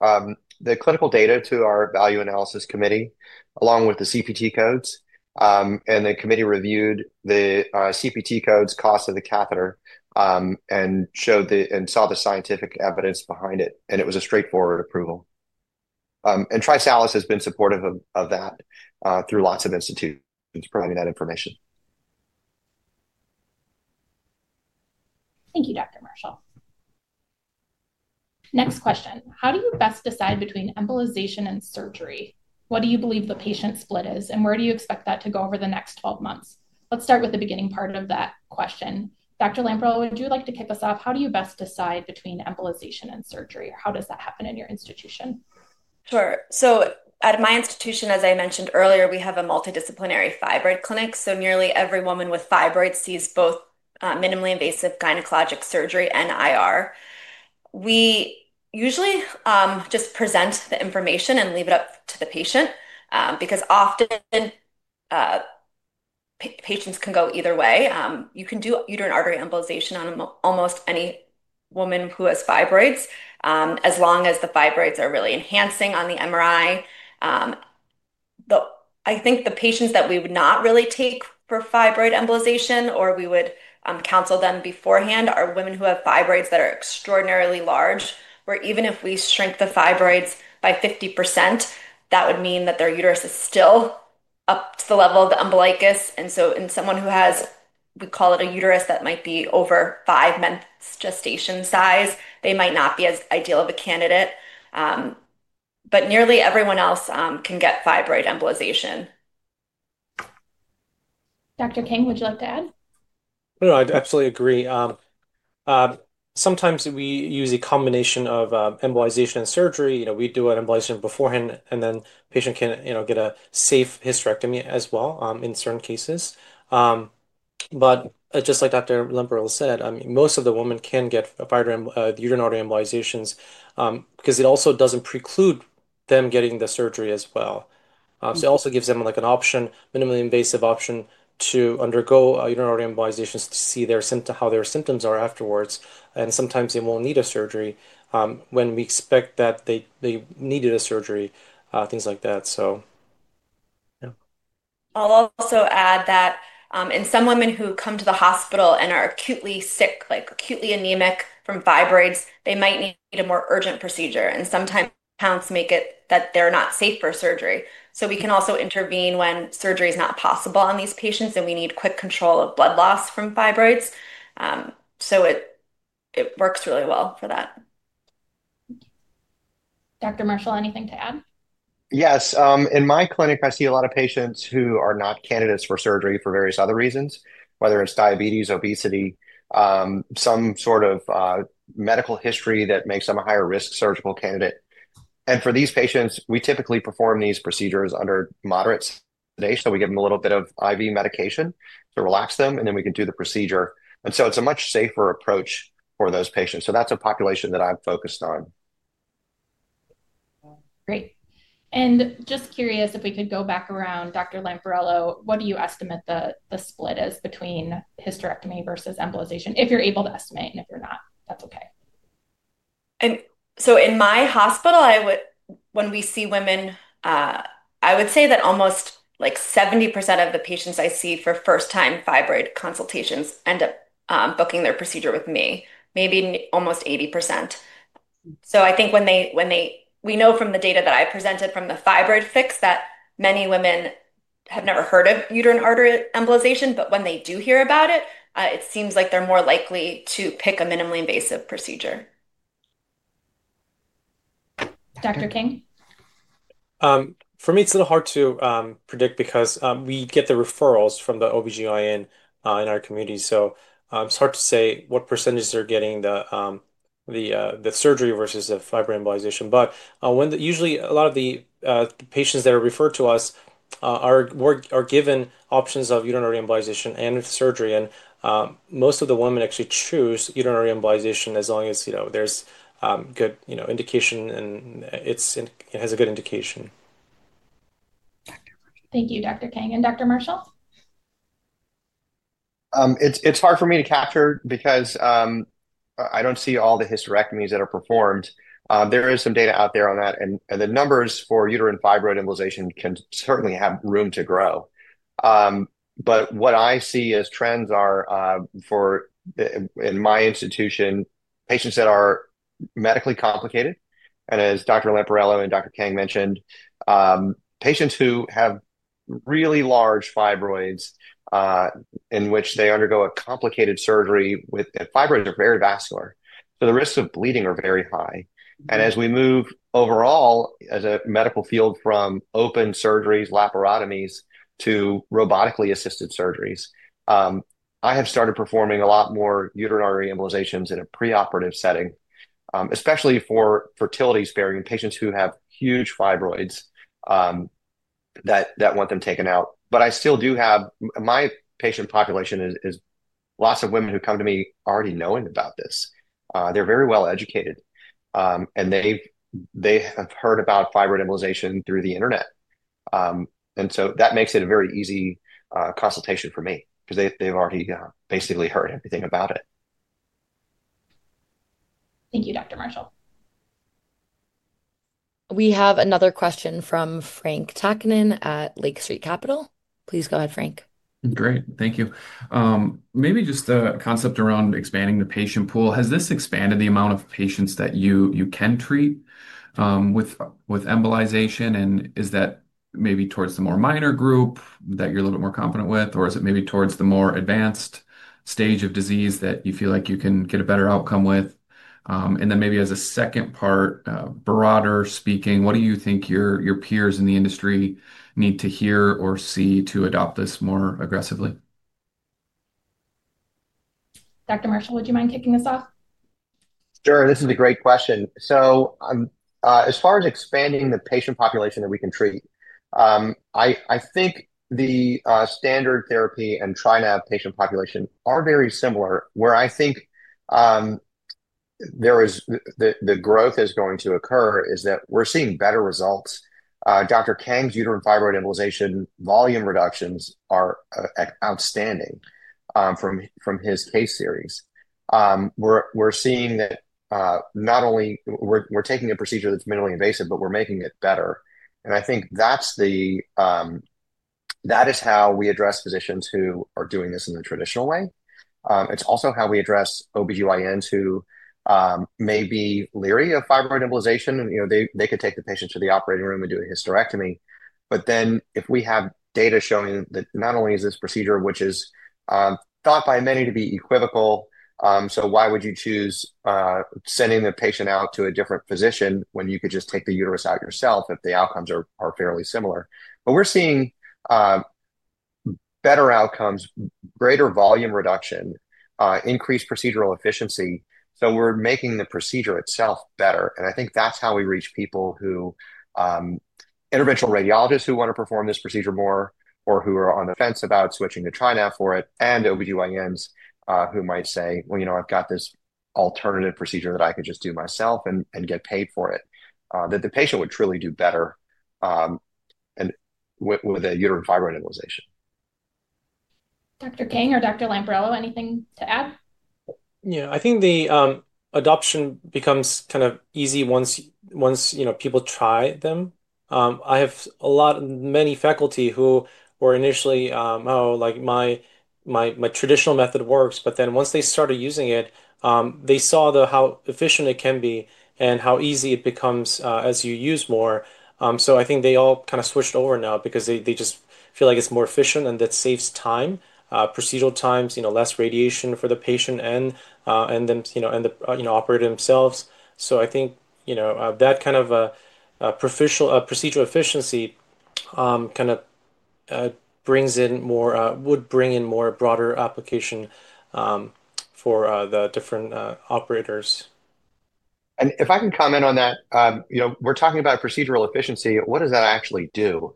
clinical data to our value analysis committee along with the CPT codes. The committee reviewed the CPT codes, cost of the catheter, and saw the scientific evidence behind it. It was a straightforward approval. TriSalus has been supportive of that through lots of institutions providing that information. Thank you, Dr. Marshall. Next question. How do you best decide between embolization and surgery? What do you believe the patient split is, and where do you expect that to go over the next 12 months? Let's start with the beginning part of that question. Dr. Lamparello, would you like to kick us off? How do you best decide between embolization and surgery, or how does that happen in your institution? Sure. At my institution, as I mentioned earlier, we have a multidisciplinary fibroid clinic. Nearly every woman with fibroids sees both minimally invasive gynecologic surgery and IR. We usually just present the information and leave it up to the patient because often patients can go either way. You can do uterine artery embolization on almost any woman who has fibroids as long as the fibroids are really enhancing on the MRI. I think the patients that we would not really take for fibroid embolization or we would counsel them beforehand are women who have fibroids that are extraordinarily large where even if we shrink the fibroids by 50%, that would mean that their uterus is still up to the level of the umbilicus. In someone who has, we call it a uterus that might be over five months gestation size, they might not be as ideal of a candidate. Nearly everyone else can get fibroid embolization. Dr. Kang, would you like to add? No, I absolutely agree. Sometimes we use a combination of embolization and surgery. We do an embolization beforehand, and then the patient can get a safe hysterectomy as well in certain cases. Just like Dr. Lamparello said, most of the women can get uterine artery embolizations because it also doesn't preclude them getting the surgery as well. It also gives them an option, a minimally invasive option to undergo uterine artery embolizations to see how their symptoms are afterwards. Sometimes they won't need a surgery when we expect that they needed a surgery, things like that. I'll also add that in some women who come to the hospital and are acutely sick, acutely anemic from fibroids, they might need a more urgent procedure. Sometimes counts make it that they're not safe for surgery. We can also intervene when surgery is not possible on these patients, and we need quick control of blood loss from fibroids. It works really well for that. Dr. Marshall, anything to add? Yes. In my clinic, I see a lot of patients who are not candidates for surgery for various other reasons, whether it's diabetes, obesity, some sort of medical history that makes them a higher risk surgical candidate. For these patients, we typically perform these procedures under moderate sedation. We give them a little bit of IV medication to relax them, and then we can do the procedure. It is a much safer approach for those patients. That is a population that I'm focused on. Great. Just curious if we could go back around, Dr. Lamparello, what do you estimate the split is between hysterectomy versus embolization? If you're able to estimate, and if you're not, that's okay. In my hospital, when we see women, I would say that almost 70% of the patients I see for first-time fibroid consultations end up booking their procedure with me, maybe almost 80%. I think when they—we know from the data that I presented from the fibroid fix that many women have never heard of uterine artery embolization. When they do hear about it, it seems like they are more likely to pick a minimally invasive procedure. Dr. Kang? For me, it's a little hard to predict because we get the referrals from the OB-GYN in our community. So it's hard to say what % they're getting the surgery versus the fibroid embolization. Usually, a lot of the patients that are referred to us are given options of uterine artery embolization and surgery. Most of the women actually choose uterine artery embolization as long as there's good indication and it has a good indication. Thank you, Dr. Kang. Dr. Marshall? It's hard for me to capture because I don't see all the hysterectomies that are performed. There is some data out there on that. The numbers for uterine fibroid embolization can certainly have room to grow. What I see as trends are for, in my institution, patients that are medically complicated. As Dr. Lamparello and Dr. Kang mentioned, patients who have really large fibroids in which they undergo a complicated surgery with fibroids are very vascular. The risks of bleeding are very high. As we move overall as a medical field from open surgeries, laparotomies, to robotically assisted surgeries, I have started performing a lot more uterine artery embolizations in a preoperative setting, especially for fertility-sparing patients who have huge fibroids that want them taken out. I still do have—my patient population is lots of women who come to me already knowing about this. They're very well educated, and they have heard about fibroid embolization through the internet. That makes it a very easy consultation for me because they've already basically heard everything about it. Thank you, Dr. Marshall. We have another question from Frank Takkinen at Lake Street Capital. Please go ahead, Frank. Great. Thank you. Maybe just the concept around expanding the patient pool. Has this expanded the amount of patients that you can treat with embolization? Is that maybe towards the more minor group that you're a little bit more confident with? Is it maybe towards the more advanced stage of disease that you feel like you can get a better outcome with? Maybe as a second part, broader speaking, what do you think your peers in the industry need to hear or see to adopt this more aggressively? Dr. Marshall, would you mind kicking us off? Sure. This is a great question. As far as expanding the patient population that we can treat, I think the standard therapy and TriNav patient population are very similar. Where I think the growth is going to occur is that we're seeing better results. Dr. Kang's uterine fibroid embolization volume reductions are outstanding from his case series. We're seeing that not only we're taking a procedure that's minimally invasive, but we're making it better. I think that is how we address physicians who are doing this in the traditional way. It's also how we address OB-GYNs who may be leery of fibroid embolization. They could take the patient to the operating room and do a hysterectomy. If we have data showing that not only is this procedure, which is thought by many to be equivocal, so why would you choose sending the patient out to a different physician when you could just take the uterus out yourself if the outcomes are fairly similar? We are seeing better outcomes, greater volume reduction, increased procedural efficiency. We are making the procedure itself better. I think that is how we reach people, interventional radiologists who want to perform this procedure more or who are on the fence about switching to TriNav for it, and OB-GYNs who might say, "Well, I have got this alternative procedure that I could just do myself and get paid for it," that the patient would truly do better with a uterine fibroid embolization. Dr. Kang or Dr. Lamparello, anything to add? Yeah. I think the adoption becomes kind of easy once people try them. I have many faculty who were initially, "Oh, my traditional method works." But then once they started using it, they saw how efficient it can be and how easy it becomes as you use more. I think they all kind of switched over now because they just feel like it's more efficient and that saves time, procedural times, less radiation for the patient, and then operate themselves. I think that kind of procedural efficiency kind of brings in more would bring in more broader application for the different operators. If I can comment on that, we're talking about procedural efficiency. What does that actually do?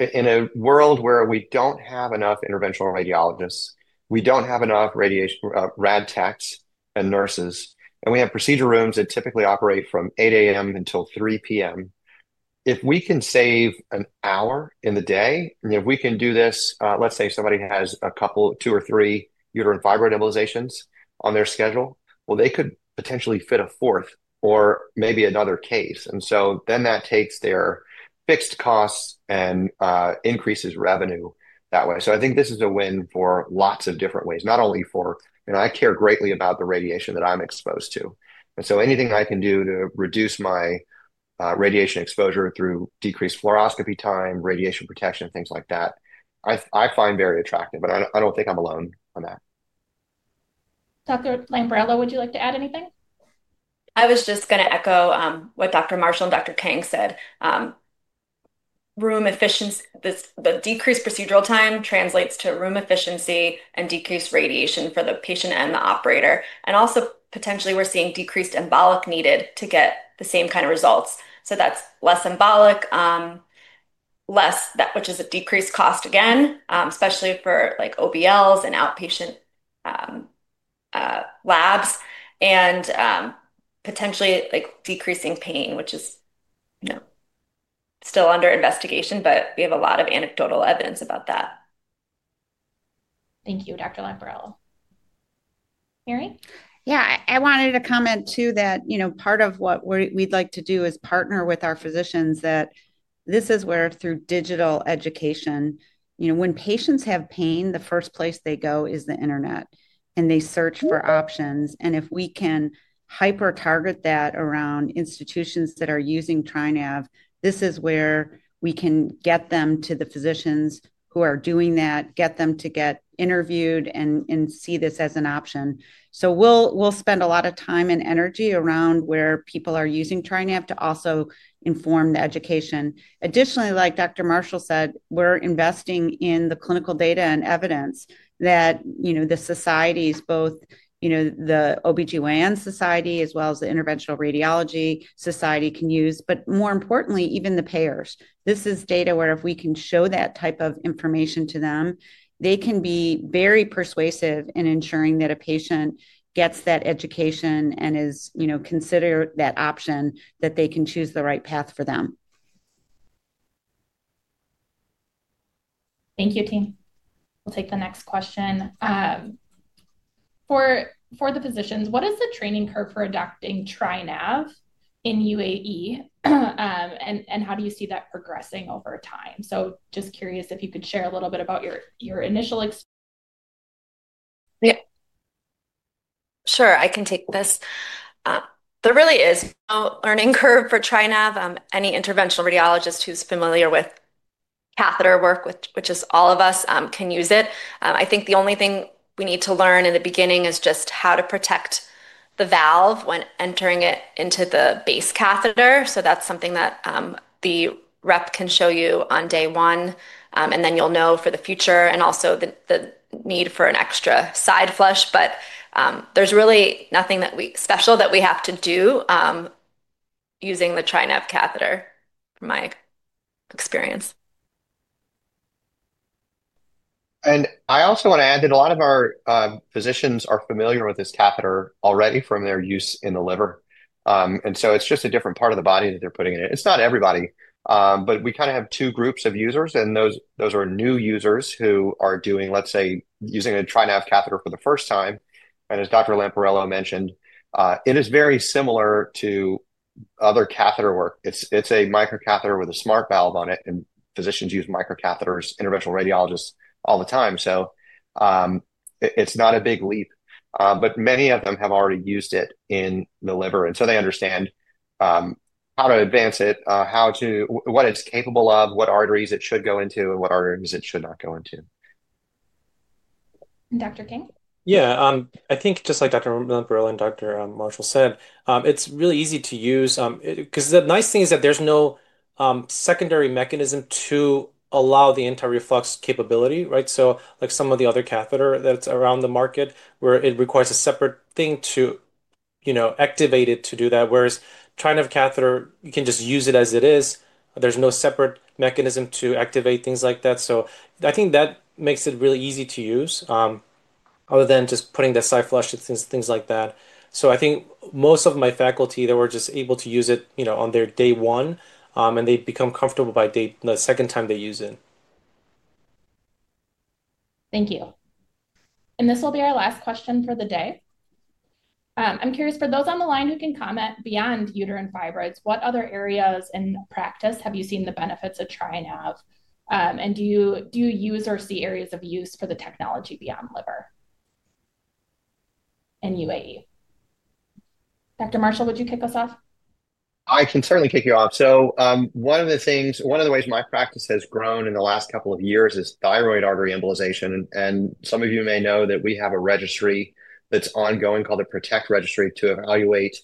In a world where we don't have enough interventional radiologists, we don't have enough rad techs and nurses, and we have procedure rooms that typically operate from 8:00 A.M. until 3:00 P.M., if we can save an hour in the day, if we can do this, let's say somebody has a couple, two or three uterine fibroid embolizations on their schedule, they could potentially fit a fourth or maybe another case. That takes their fixed costs and increases revenue that way. I think this is a win for lots of different ways, not only for, "I care greatly about the radiation that I'm exposed to." Anything I can do to reduce my radiation exposure through decreased fluoroscopy time, radiation protection, things like that, I find very attractive. I don't think I'm alone on that. Dr. Lamparello, would you like to add anything? I was just going to echo what Dr. Marshall and Dr. Kang said. The decreased procedural time translates to room efficiency and decreased radiation for the patient and the operator. Also, potentially we're seeing decreased embolic needed to get the same kind of results. That is less embolic, which is a decreased cost again, especially for OBLs and outpatient labs, and potentially decreasing pain, which is still under investigation, but we have a lot of anecdotal evidence about that. Thank you, Dr. Lamparello. Mary? Yeah. I wanted to comment too that part of what we'd like to do is partner with our physicians that this is where through digital education, when patients have pain, the first place they go is the internet, and they search for options. If we can hyper-target that around institutions that are using TriNav, this is where we can get them to the physicians who are doing that, get them to get interviewed and see this as an option. We'll spend a lot of time and energy around where people are using TriNav to also inform the education. Additionally, like Dr. Marshall said, we're investing in the clinical data and evidence that the societies, both the OB-GYN Society as well as the Interventional Radiology Society can use, but more importantly, even the payers. This is data where if we can show that type of information to them, they can be very persuasive in ensuring that a patient gets that education and is considered that option that they can choose the right path for them. Thank you, team. We'll take the next question. For the physicians, what is the training curve for adopting TriNav in U.A.E, and how do you see that progressing over time? Just curious if you could share a little bit about your initial experience. Sure. I can take this. There really is no learning curve for TriNav. Any interventional radiologist who's familiar with catheter work, which is all of us, can use it. I think the only thing we need to learn in the beginning is just how to protect the valve when entering it into the base catheter. That is something that the rep can show you on day one, and then you'll know for the future and also the need for an extra side flush. There is really nothing special that we have to do using the TriNav catheter, from my experience. I also want to add that a lot of our physicians are familiar with this catheter already from their use in the liver. It is just a different part of the body that they are putting it in. It is not everybody. We kind of have two groups of users, and those are new users who are, let's say, using a TriNav catheter for the first time. As Dr. Lamparello mentioned, it is very similar to other catheter work. It is a microcatheter with a SmartValve on it, and physicians use microcatheters, interventional radiologists all the time. It is not a big leap. Many of them have already used it in the liver. They understand how to advance it, what it is capable of, what arteries it should go into, and what arteries it should not go into. Dr. Kang? Yeah. I think just like Dr. Lamparello and Dr. Marshall said, it's really easy to use. Because the nice thing is that there's no secondary mechanism to allow the anti-reflux capability, right? Like some of the other catheters that are on the market where it requires a separate thing to activate it to do that, whereas TriNav catheter, you can just use it as it is. There's no separate mechanism to activate things like that. I think that makes it really easy to use other than just putting the side flush and things like that. I think most of my faculty, they were just able to use it on their day one, and they become comfortable by the second time they use it. Thank you. This will be our last question for the day. I'm curious, for those on the line who can comment beyond uterine fibroids, what other areas in practice have you seen the benefits of TriNav? Do you use or see areas of use for the technology beyond liver in U.A.E? Dr. Marshall, would you kick us off? I can certainly kick you off. One of the things, one of the ways my practice has grown in the last couple of years is thyroid artery embolization. Some of you may know that we have a registry that's ongoing called the PROTECT registry to evaluate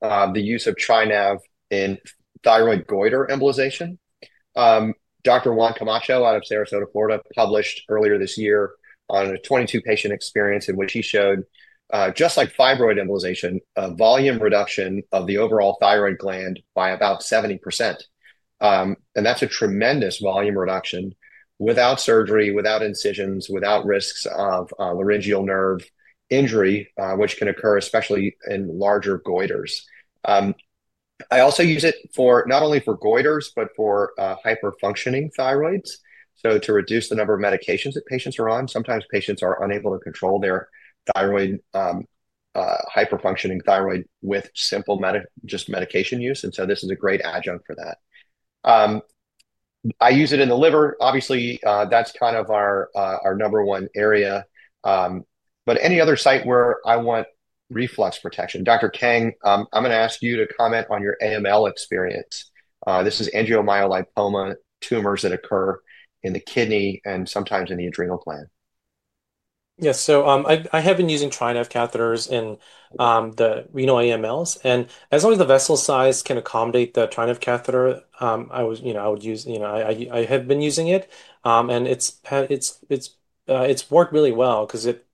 the use of TriNav in thyroid goiter embolization. Dr. Juan Camacho out of Sarasota, Florida, published earlier this year on a 22-patient experience in which he showed, just like fibroid embolization, a volume reduction of the overall thyroid gland by about 70%. That's a tremendous volume reduction without surgery, without incisions, without risks of laryngeal nerve injury, which can occur especially in larger goiters. I also use it not only for goiters, but for hyperfunctioning thyroids. To reduce the number of medications that patients are on, sometimes patients are unable to control their hyperfunctioning thyroid with simple just medication use. This is a great adjunct for that. I use it in the liver. Obviously, that's kind of our number one area. Any other site where I want reflux protection? Dr. Kang, I'm going to ask you to comment on your AML experience. This is angiomyolipoma tumors that occur in the kidney and sometimes in the adrenal gland. Yeah. I have been using TriNav catheters in the renal AMLs. As long as the vessel size can accommodate the TriNav catheter, I have been using it. It has worked really well because it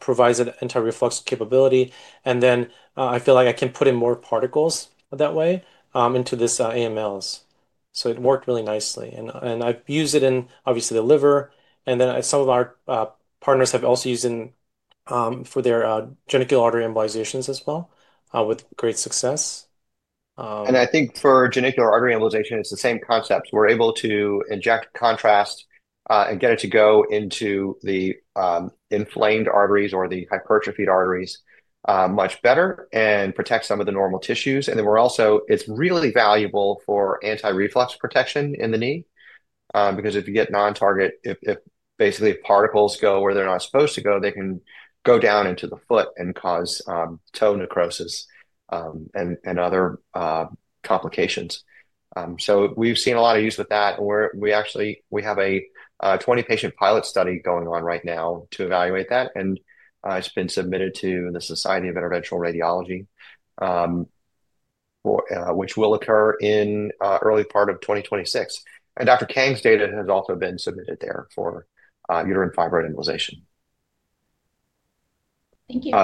provides an anti-reflux capability. I feel like I can put in more particles that way into these AMLs. It worked really nicely. I have used it in, obviously, the liver. Some of our partners have also used it for their genicular artery embolizations as well with great success. I think for genicular artery embolization, it's the same concept. We're able to inject contrast and get it to go into the inflamed arteries or the hypertrophied arteries much better and protect some of the normal tissues. It's really valuable for anti-reflux protection in the knee because if you get non-target, if basically particles go where they're not supposed to go, they can go down into the foot and cause toe necrosis and other complications. We've seen a lot of use with that. We actually have a 20-patient pilot study going on right now to evaluate that. It's been submitted to the Society of Interventional Radiology, which will occur in the early part of 2026. Dr. Kang's data has also been submitted there for uterine fibroid embolization. Thank you.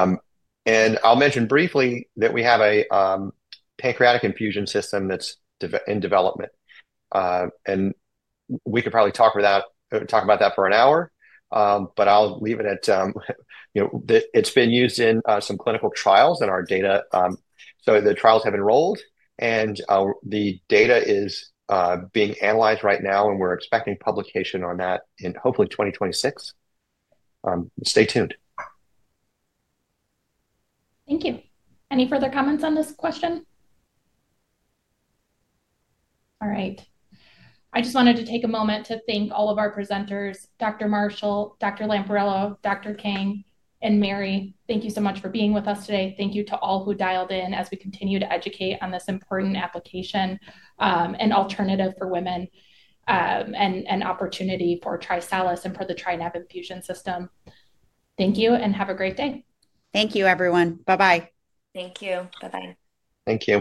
I'll mention briefly that we have a Pancreatic Infusion System that's in development. We could probably talk about that for an hour, but I'll leave it at it's been used in some clinical trials and our data. The trials have enrolled, and the data is being analyzed right now, and we're expecting publication on that in hopefully 2026. Stay tuned. Thank you. Any further comments on this question? All right. I just wanted to take a moment to thank all of our presenters, Dr. Marshall, Dr. Lamparello, Dr. Kang, and Mary. Thank you so much for being with us today. Thank you to all who dialed in as we continue to educate on this important application and alternative for women and opportunity for TriSalus and for the TriNav Infusion System. Thank you and have a great day. Thank you, everyone. Bye-bye. Thank you. Bye-bye. Thank you.